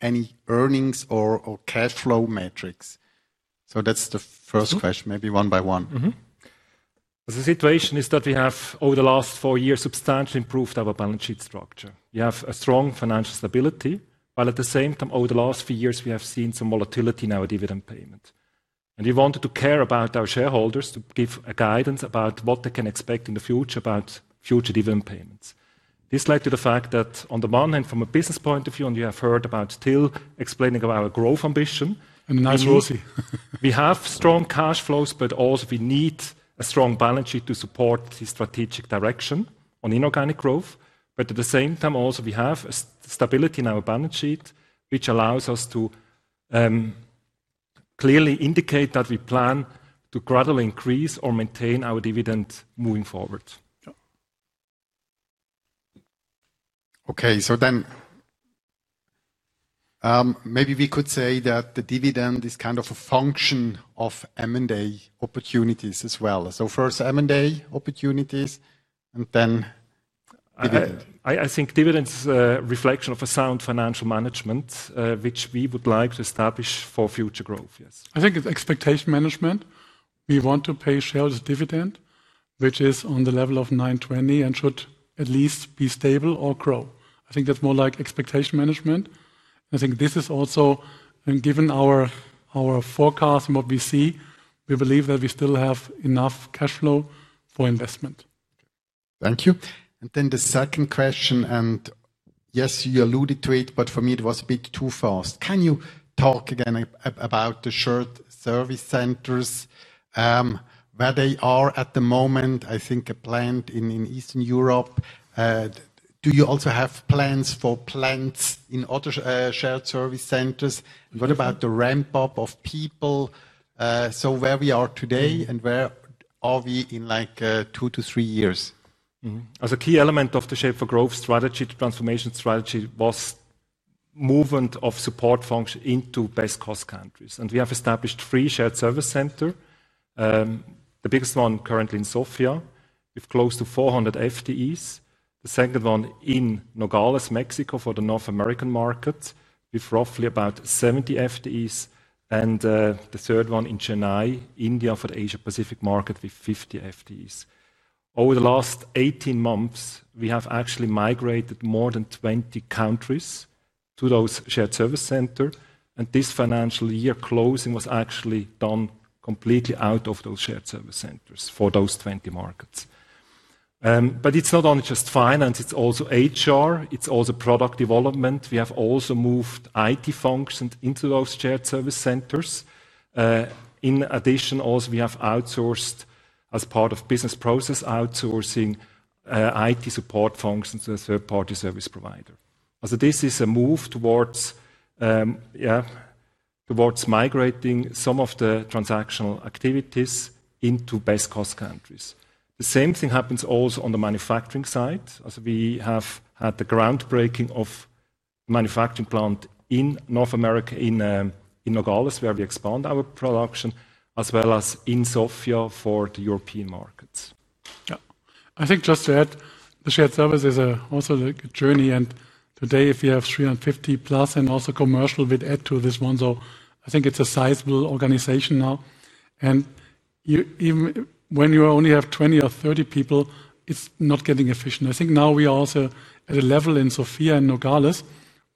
any earnings or cash flow metrics? That's the first question. Maybe one by one. The situation is that we have, over the last four years, substantially improved our balance sheet structure. We have a strong financial stability, but at the same time, over the last few years, we have seen some volatility in our dividend payments. We wanted to care about our shareholders to give guidance about what they can expect in the future about future dividend payments. This led to the fact that on the one hand, from a business point of view, you have heard about Till explaining about our growth ambition. I'm Alex Housten. We have strong cash flows, but also we need a strong balance sheet to support the strategic direction on inorganic growth. At the same time, we have a stability in our balance sheet, which allows us to clearly indicate that we plan to gradually increase or maintain our dividend moving forward. Okay, then maybe we could say that the dividend is kind of a function of M&A opportunities as well. First M&A opportunities and then dividend. I think dividend is a reflection of a sound financial management, which we would like to establish for future growth. I think it's expectation management. We want to pay shareholders a dividend, which is on the level of 9.20 and should at least be stable or grow. I think that's more like expectation management. I think this is also, and given our forecast and what we see, we believe that we still have enough cash flow for investment. Thank you. The second question, yes, you alluded to it, but for me it was a bit too fast. Can you talk again about the shared service centers? Where they are at the moment, I think a plant in Eastern Europe. Do you also have plans for plants in other shared service centers? What about the ramp-up of people? Where we are today and where are we in like two to three years? As a key element of the Shape for Growth strategy, the transformation strategy was movement of support function into base cost countries. We have established three shared service centers. The biggest one is currently in Sofia, with close to 400 FTEs. The second one is in Nogales, Mexico, for the North American markets, with roughly about 70 FTEs. The third one is in Chennai, India, for the Asia-Pacific market, with 50 FTEs. Over the last 18 months, we have actually migrated more than 20 countries to those shared service centers. This financial year closing was actually done completely out of those shared service centers for those 20 markets. It's not only just finance, it's also HR, it's also product development. We have also moved IT functions into those shared service centers. In addition, we have outsourced, as part of business process, outsourcing IT support functions to a third-party service provider. This is a move towards migrating some of the transactional activities into base cost countries. The same thing happens also on the manufacturing side. We have had the groundbreaking of a manufacturing plant in North America, in Nogales, where we expand our production, as well as in Sofia for the European markets. Yeah, I think just to add, the shared service is also a journey. Today, if you have 350 + and also commercial, we'd add to this one. I think it's a sizable organization now. Even when you only have 20 people or 30 people, it's not getting efficient. I think now we are also at a level in Sofia and Nogales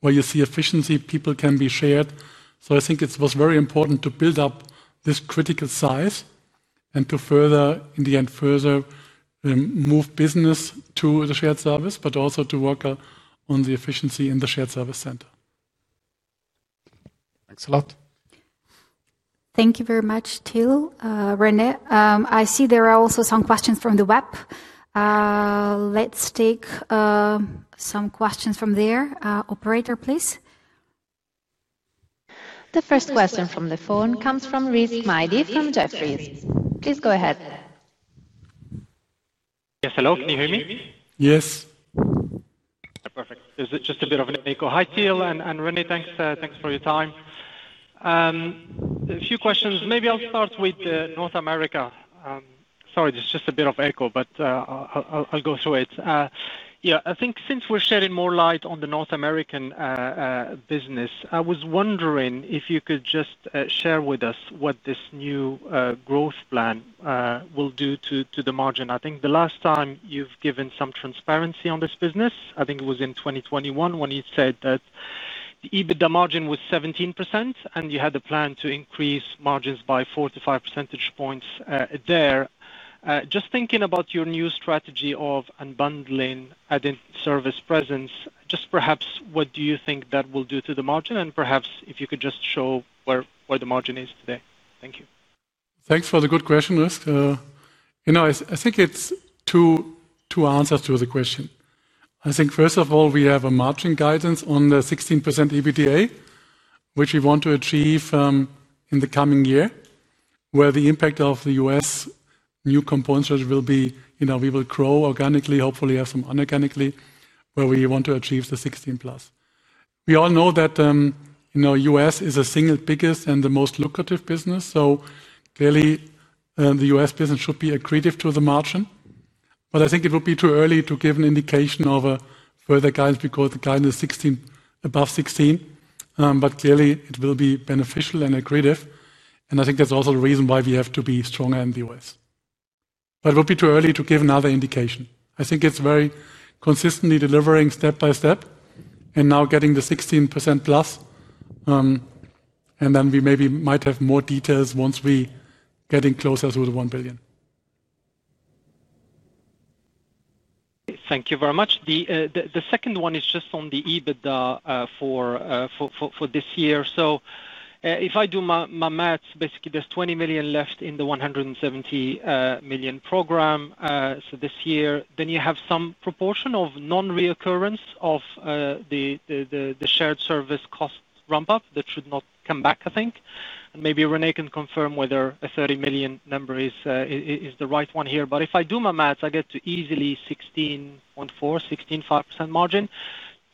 where you see efficiency, people can be shared. I think it was very important to build up this critical size and to further, in the end, further move business to the shared service, but also to work on the efficiency in the shared service center. Thanks a lot. Thank you very much, Till. René, I see there are also some questions from the web. Let's take some questions from there. Operator, please. The first question from the phone comes from Rizk Maidi from Jefferies. Please go ahead. Yes, hello. Can you hear me? Yes. Perfect. It's just a bit of an echo. Hi, Till and René. Thanks for your time. A few questions. Maybe I'll start with North America. Sorry, there's just a bit of echo, but I'll go through it. I think since we're shedding more light on the North American business, I was wondering if you could just share with us what this new growth plan will do to the margin. I think the last time you've given some transparency on this business, I think it was in 2021 when you said that the margin was 17% and you had the plan to increase margins by 4- 5 percentage points there. Just thinking about your new strategy of unbundling adding service presence, just perhaps what do you think that will do to the margin and perhaps if you could just show where the margin is today. Thank you. Thanks for the good question, Rizk. I think it's two answers to the question. First of all, we have a margin guidance on the 16% adjusted EBITDA, which we want to achieve in the coming year, where the impact of the U.S. new components will be, you know, we will grow organically, hopefully have some unorganically, where we want to achieve the 16% plus. We all know that the U.S. is the single biggest and the most lucrative business. Clearly, the U.S. business should be accretive to the margin. I think it would be too early to give an indication of whether the guidance, we call it the guidance of 16% above 16%. Clearly, it will be beneficial and accretive. I think that's also the reason why we have to be stronger in the U.S. It would be too early to give another indication. I think it's very consistently delivering step by step and now getting the 16% plus. Then we maybe might have more details once we're getting closer to the $1 billion. Thank you very much. The second one is just on the EBITDA for this year. If I do my maths, basically there's $20 million left in the $170 million program. This year, you have some proportion of non-reoccurrence of the shared service cost ramp-up that should not come back, I think. Maybe René can confirm whether a $30 million number is the right one here. If I do my maths, I get to easily 16.4%, 16.5% margin.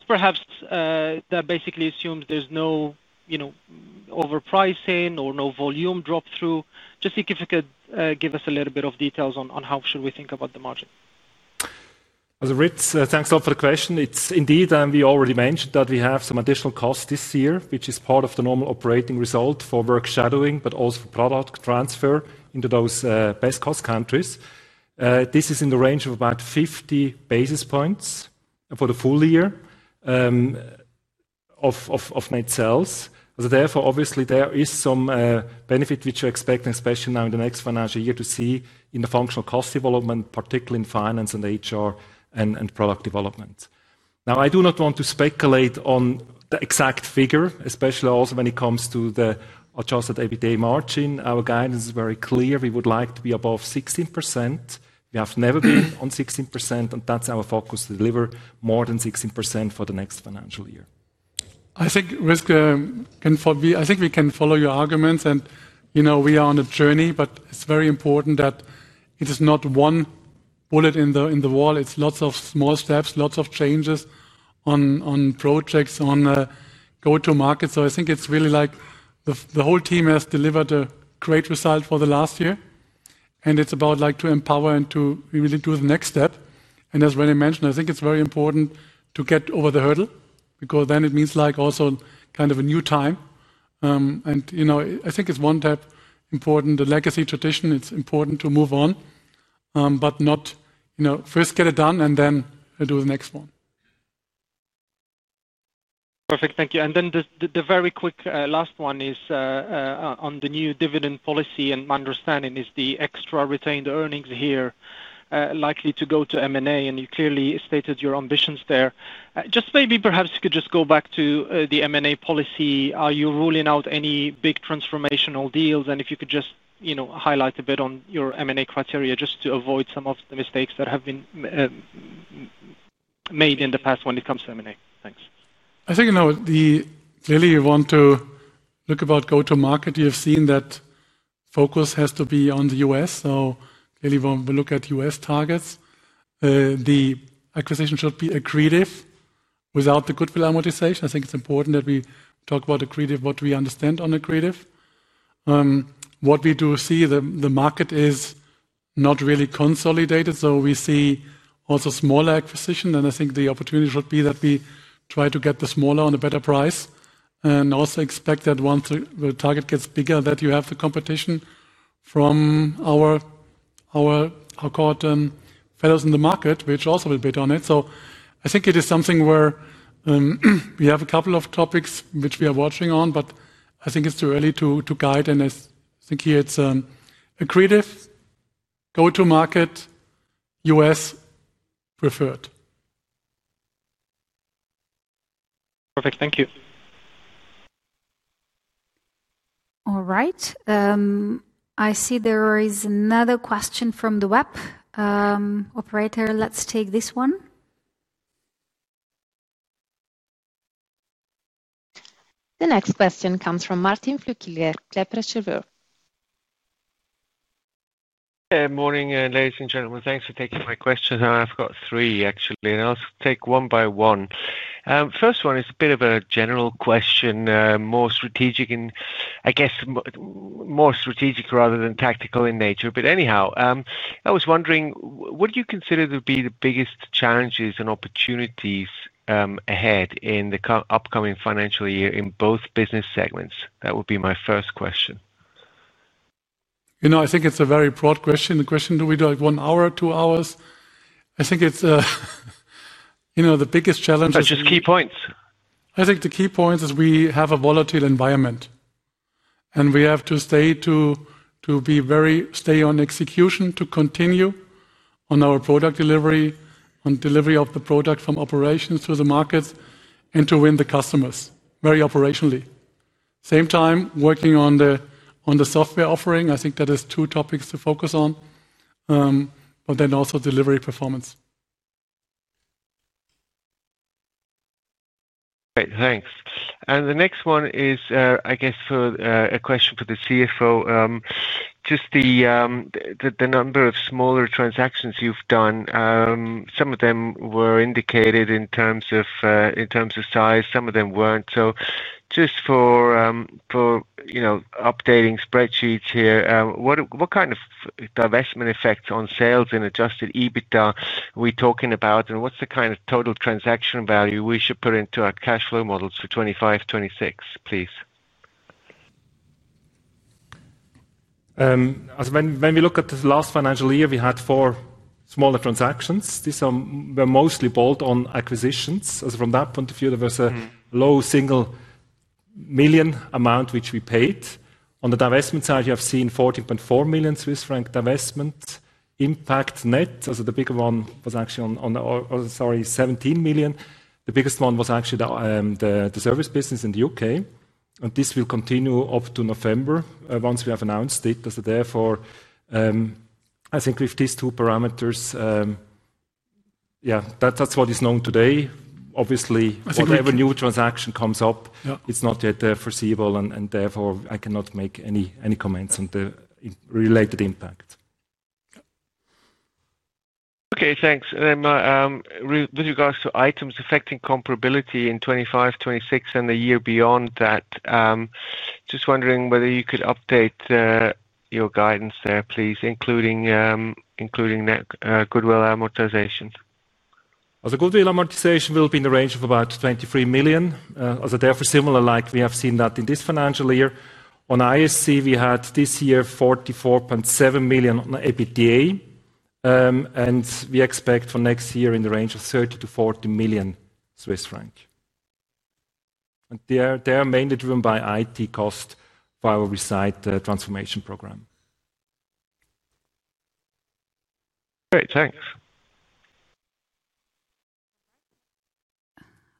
That basically assumes there's no, you know, overpricing or no volume drop-through. If you could give us a little bit of details on how should we think about the margin. Reece, thanks a lot for the question. It's indeed, and we already mentioned that we have some additional costs this year, which is part of the normal operating result for work shadowing, but also for product transfer into those base cost countries. This is in the range of about 50 basis points for the full year of net sales. Therefore, obviously there is some benefit which you expect, especially now in the next financial year, to see in the functional cost development, particularly in Finance and HR and product development. Now, I do not want to speculate on the exact figure, especially also when it comes to the adjusted EBITDA margin. Our guidance is very clear. We would like to be above 16%. We have never been on 16%, and that's our focus to deliver more than 16% for the next financial year. I think Reece can follow your arguments, and you know, we are on a journey, but it's very important that it is not one bullet in the wall. It's lots of small steps, lots of changes on projects, on go-to-market. I think it's really like the whole team has delivered a great result for the last year. It's about like to empower and to really do the next step. As René mentioned, I think it's very important to get over the hurdle because then it means like also kind of a new time. I think it's one that's important, the legacy tradition. It's important to move on, but not, you know, first get it done and then do the next one. Perfect, thank you. The very quick last one is on the new dividend policy, and my understanding is the extra retained earnings here likely to go to M&A, and you clearly stated your ambitions there. Perhaps you could just go back to the M&A policy. Are you ruling out any big transformational deals? If you could just highlight a bit on your M&A criteria just to avoid some of the mistakes that have been made in the past when it comes to M&A. Thanks. I think, you know, clearly you want to look at go-to-market. You've seen that focus has to be on the U.S. When we look at U.S. targets, the acquisition should be accretive. Without the goodwill amortization, I think it's important that we talk about accretive, what we understand on accretive. What we do see, the market is not really consolidated. We see also smaller acquisitions, and I think the opportunity should be that we try to get the smaller on a better price and also expect that once the target gets bigger, you have the competition from our fellows in the market, which also will bid on it. I think it is something where we have a couple of topics which we are watching, but I think it's too early to guide. I think here it's accretive, go-to-market, U.S. preferred. Perfect, thank you. All right. I see there is another question from the web. Operator, let's take this one. The next question comes from Martin Flükilje, Deb Verschoor. Morning, ladies and gentlemen. Thanks for taking my question. I've got three, actually, and I'll take one by one. First one is a bit of a general question, more strategic and I guess more strategic rather than tactical in nature. Anyhow, I was wondering, what do you consider to be the biggest challenges and opportunities ahead in the upcoming financial year in both business segments? That would be my first question. I think it's a very broad question. The question, do we do like one hour or two hours? I think it's the biggest challenge. That's just key points. I think the key point is we have a volatile environment. We have to stay to be very, stay on execution, to continue on our product delivery, on delivery of the product from operations to the markets, and to win the customers, very operationally. At the same time, working on the software offering, I think that is two topics to focus on, but then also delivery performance. Great, thanks. The next one is, I guess, a question for the CFO. Just the number of smaller transactions you've done. Some of them were indicated in terms of size, some of them weren't. Just for updating spreadsheets here, what kind of divestment effects on sales and adjusted EBITDA are we talking about? What's the kind of total transaction value we should put into our cash flow models for 2025, 2026, please? When we look at the last financial year, we had four smaller transactions. These were mostly bought on acquisitions. From that point of view, there was a low single million amount which we paid. On the divestment side, you have seen 14.4 million Swiss franc divestment impact net. The bigger one was actually, sorry, 17 million. The biggest one was actually the service business in the UK. This will continue up to November once we have announced it. Therefore, I think with these two parameters, that's what is known today. Obviously, whatever new transaction comes up, it's not yet foreseeable and therefore I cannot make any comments on the related impact. Thank you. With regards to items affecting comparability in 2025, 2026, and the year beyond that, just wondering whether you could update your guidance there, please, including goodwill amortization. The goodwill amortization will be in the range of about 23 million. Therefore, similar, like we have seen that in this financial year, on ISC, we had this year 44.7 million on the EBITDA. We expect for next year in the range of 30 to 40 million. They are mainly driven by IT cost for our Shape for Growth transformation program. Great, thanks.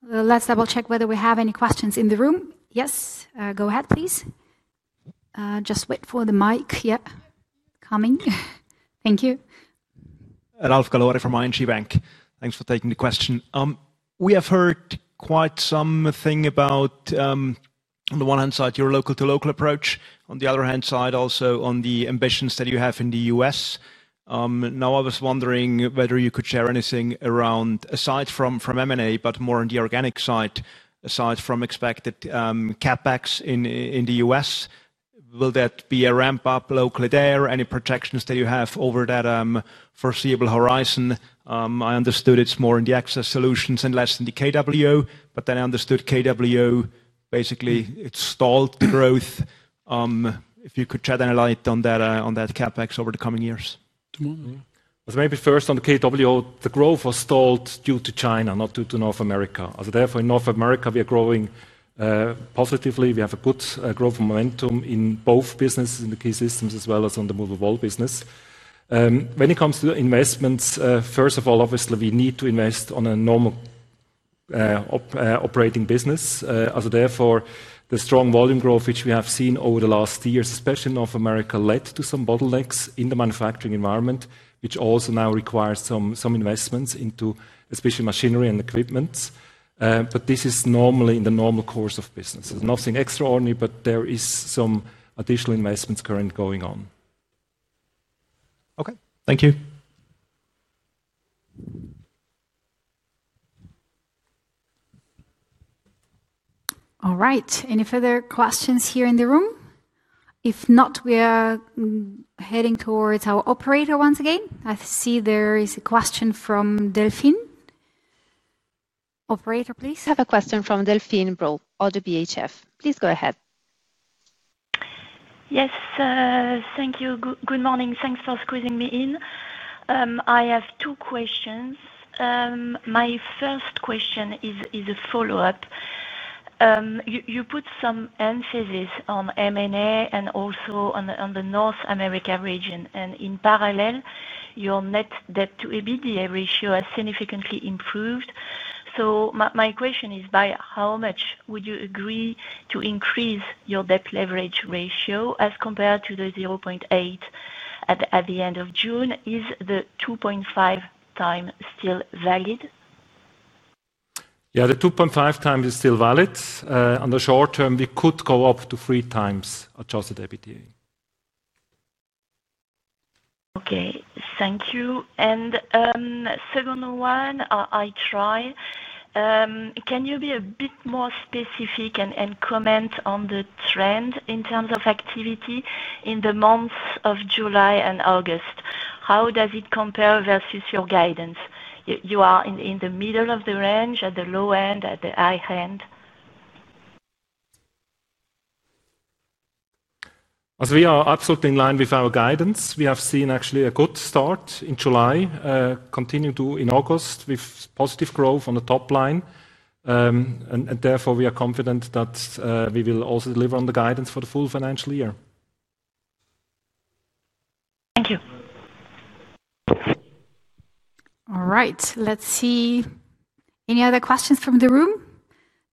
Let's double check whether we have any questions in the room. Yes, go ahead, please. Just wait for the mic. Yeah, coming. Thank you. Ralph Gallore from ING Bank. Thanks for taking the question. We have heard quite something about, on the one hand side, your local-to-local approach. On the other hand side, also on the ambitions that you have in the U.S. I was wondering whether you could share anything around, aside from M&A, but more on the organic side, aside from expected CapEx in the U.S. Will that be a ramp-up locally there? Any projections that you have over that foreseeable horizon? I understood it's more in the access solutions and less in the KWO. I understood KWO basically stalled the growth. If you could shed any light on that CapEx over the coming years. Maybe first on the KWO, the growth was stalled due to China, not due to North America. Therefore, in North America, we are growing positively. We have a good growth momentum in both businesses, in the key systems, as well as on the move of all business. When it comes to investments, first of all, obviously, we need to invest on a normal, operating business. Therefore, the strong volume growth, which we have seen over the last years, especially in North America, led to some bottlenecks in the manufacturing environment, which also now requires some investments into, especially machinery and equipment. This is normally in the normal course of business. There's nothing extraordinary, but there are some additional investments currently going on. Okay, thank you. All right, any further questions here in the room? If not, we are heading towards our operator once again. I see there is a question from Delphine. Operator, please. We have a question from Delphine Bro, Audubon HF. Please go ahead. Yes, thank you. Good morning. Thanks for squeezing me in. I have two questions. My first question is a follow-up. You put some emphasis on M&A and also on the North America region. In parallel, your net debt to EBITDA ratio has significantly improved. My question is, by how much would you agree to increase your debt leverage ratio as compared to the 0.8 at the end of June? Is the 2.5 x still valid? Yeah, the 2.5 x is still valid. On the short term, we could go up to 3 x adjusted EBITDA. Thank you. Second one, I try. Can you be a bit more specific and comment on the trend in terms of activity in the months of July and August? How does it compare versus your guidance? You are in the middle of the range, at the low end, at the high end. We are absolutely in line with our guidance. We have seen actually a good start in July, continuing in August with positive growth on the top line. Therefore, we are confident that we will also deliver on the guidance for the full financial year. All right, let's see. Any other questions from the room?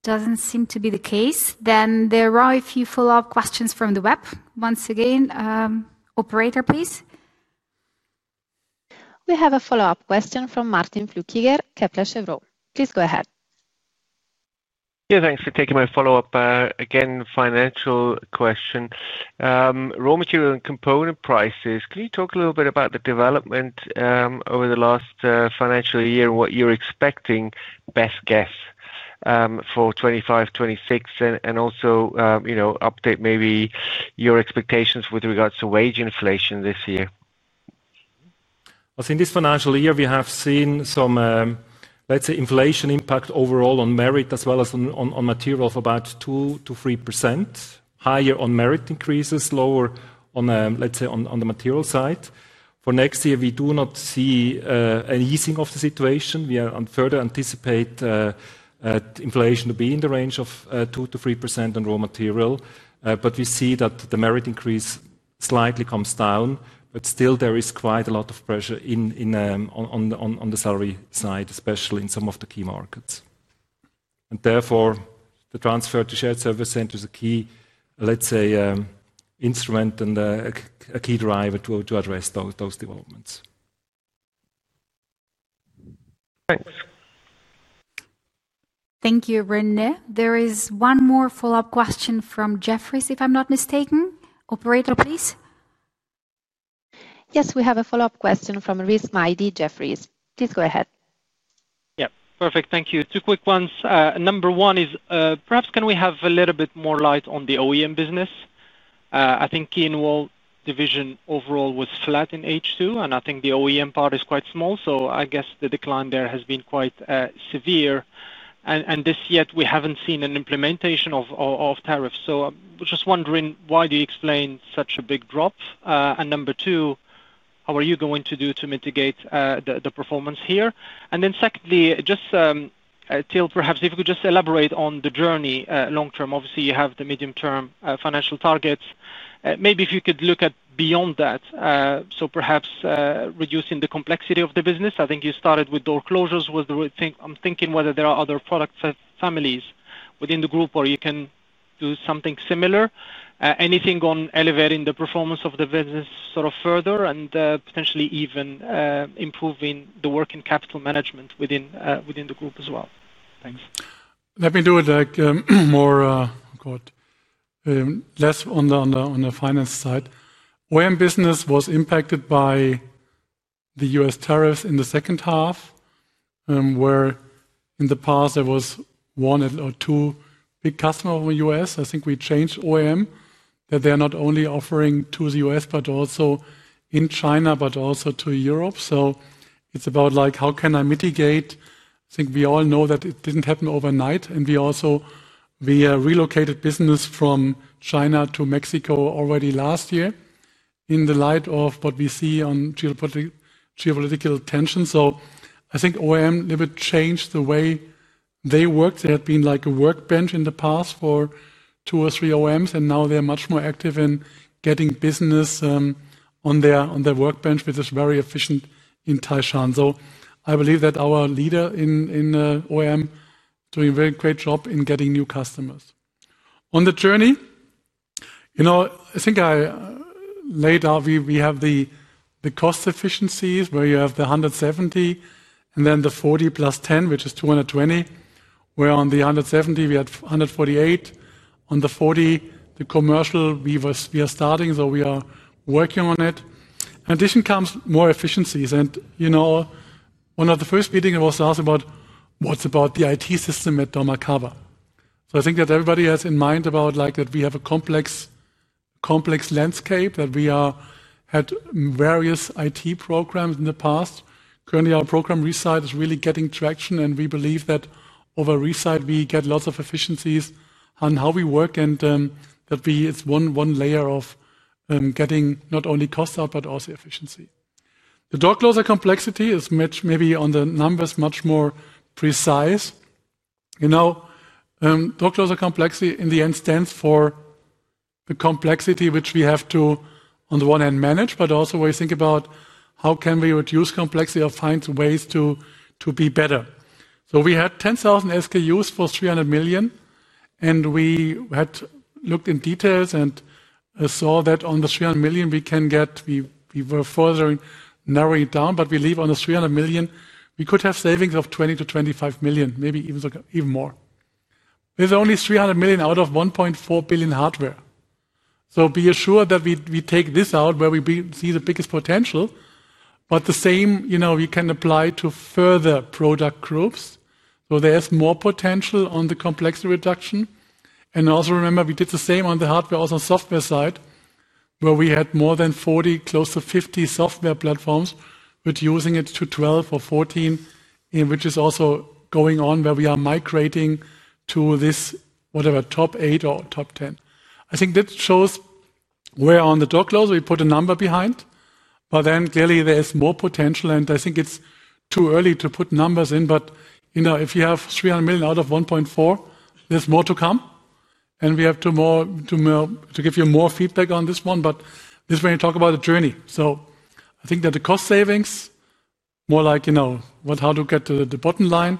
Doesn't seem to be the case. There are a few follow-up questions from the web. Once again, operator, please. We have a follow-up question from Martin Flückiger, Kepler Chevreau. Please go ahead. Thanks for taking my follow-up. Again, financial question. Raw material and component prices, can you talk a little bit about the development over the last financial year and what you're expecting, best guess, for 2025-2026, and also update maybe your expectations with regards to wage inflation this year? In this financial year, we have seen some, let's say, inflation impact overall on merit as well as on material for about 2 %- 3%. Higher on merit increases, lower on, let's say, on the material side. For next year, we do not see an easing of the situation. We further anticipate inflation to be in the range of 2 %- 3% on raw material. We see that the merit increase slightly comes down, but still, there is quite a lot of pressure on the salary side, especially in some of the key markets. Therefore, the transfer to shared service centers is a key, let's say, instrument and a key driver to address those developments. Thank you, René. There is one more follow-up question from Jefferies, if I'm not mistaken. Operator, please. Yes, we have a follow-up question from Rizk Maidi at Jefferies. Please go ahead. Yeah, perfect. Thank you. Two quick ones. Number one is, perhaps can we have a little bit more light on the OEM business? I think the Key & Vault Solutions division overall was flat in H2, and I think the OEM part is quite small. I guess the decline there has been quite severe. We haven't seen an implementation of tariffs yet. I'm just wondering, why do you explain such a big drop? Number two, how are you going to mitigate the performance here? Secondly, Till, perhaps if you could just elaborate on the journey long term. Obviously, you have the medium-term financial targets. Maybe if you could look at beyond that, perhaps reducing the complexity of the business. I think you started with door closures as the thing. I'm thinking whether there are other product families within the group where you can do something similar. Anything on elevating the performance of the business further and potentially even improving the working capital management within the group as well. Thanks. Let me do it more, less on the finance side. OEM business was impacted by the U.S. tariffs in the second half, where in the past there was one or two big customers in the U.S. I think we changed OEM that they are not only offering to the U.S., but also in China, but also to Europe. It's about, like, how can I mitigate? I think we all know that it didn't happen overnight. We also relocated business from China to Mexico already last year in the light of what we see on geopolitical tensions. I think OEM a little bit changed the way they worked. They had been like a workbench in the past for two or three OEMs, and now they're much more active in getting business on their workbench, which is very efficient in Taichung. I believe that our leader in OEM is doing a very great job in getting new customers. On the journey, I think I laid out we have the cost efficiencies where you have the 170 and then the 40 plus 10, which is 220. Where on the 170, we had 148. On the 40, the commercial, we are starting, so we are working on it. In addition comes more efficiencies. One of the first meetings I was asked about was about the IT system at dormakaba. I think that everybody has in mind that we have a complex landscape, that we had various IT programs in the past. Currently, our program resize is really getting traction, and we believe that over resize, we get lots of efficiencies on how we work and that it's one layer of getting not only cost out, but also efficiency. The door closer complexity is maybe on the numbers much more precise. Door closer complexity in the end stands for the complexity which we have to, on the one hand, manage, but also we think about how can we reduce complexity or find ways to be better. We had 10,000 SKUs for $300 million, and we had looked in details and saw that on the $300 million we can get, we were further narrowing it down, but we leave on the $300 million, we could have savings of $20 million- $25 million, maybe even more. There's only $300 million out of $1.4 billion hardware. Be assured that we take this out where we see the biggest potential. The same, we can apply to further product groups. There's more potential on the complexity reduction. Also remember, we did the same on the hardware and software side where we had more than 40, close to 50 software platforms, reducing it to 12 or 14, which is also going on where we are migrating to this, whatever, top eight or top 10. I think that shows where on the door closer we put a number behind. There is more potential, and I think it's too early to put numbers in. If you have $300 million out of $1.4 billion, there's more to come. We have to give you more feedback on this one. This is when you talk about the journey. I think that the cost savings are more like how to get to the bottom line.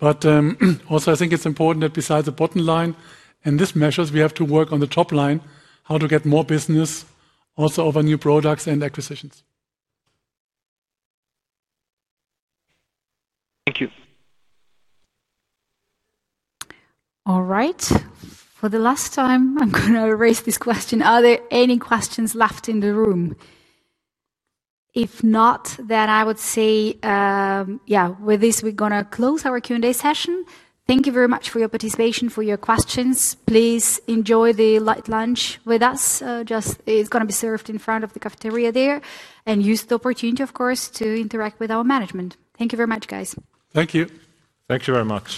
I think it's important that besides the bottom line and these measures, we have to work on the top line, how to get more business also over new products and acquisitions. Thank you. All right. For the last time, I'm going to raise this question. Are there any questions left in the room? If not, then I would say, yeah, with this, we're going to close our Q&A session. Thank you very much for your participation, for your questions. Please enjoy the light lunch with us. It's going to be served in front of the cafeteria there. Use the opportunity, of course, to interact with our management. Thank you very much, guys. Thank you. Thank you very much.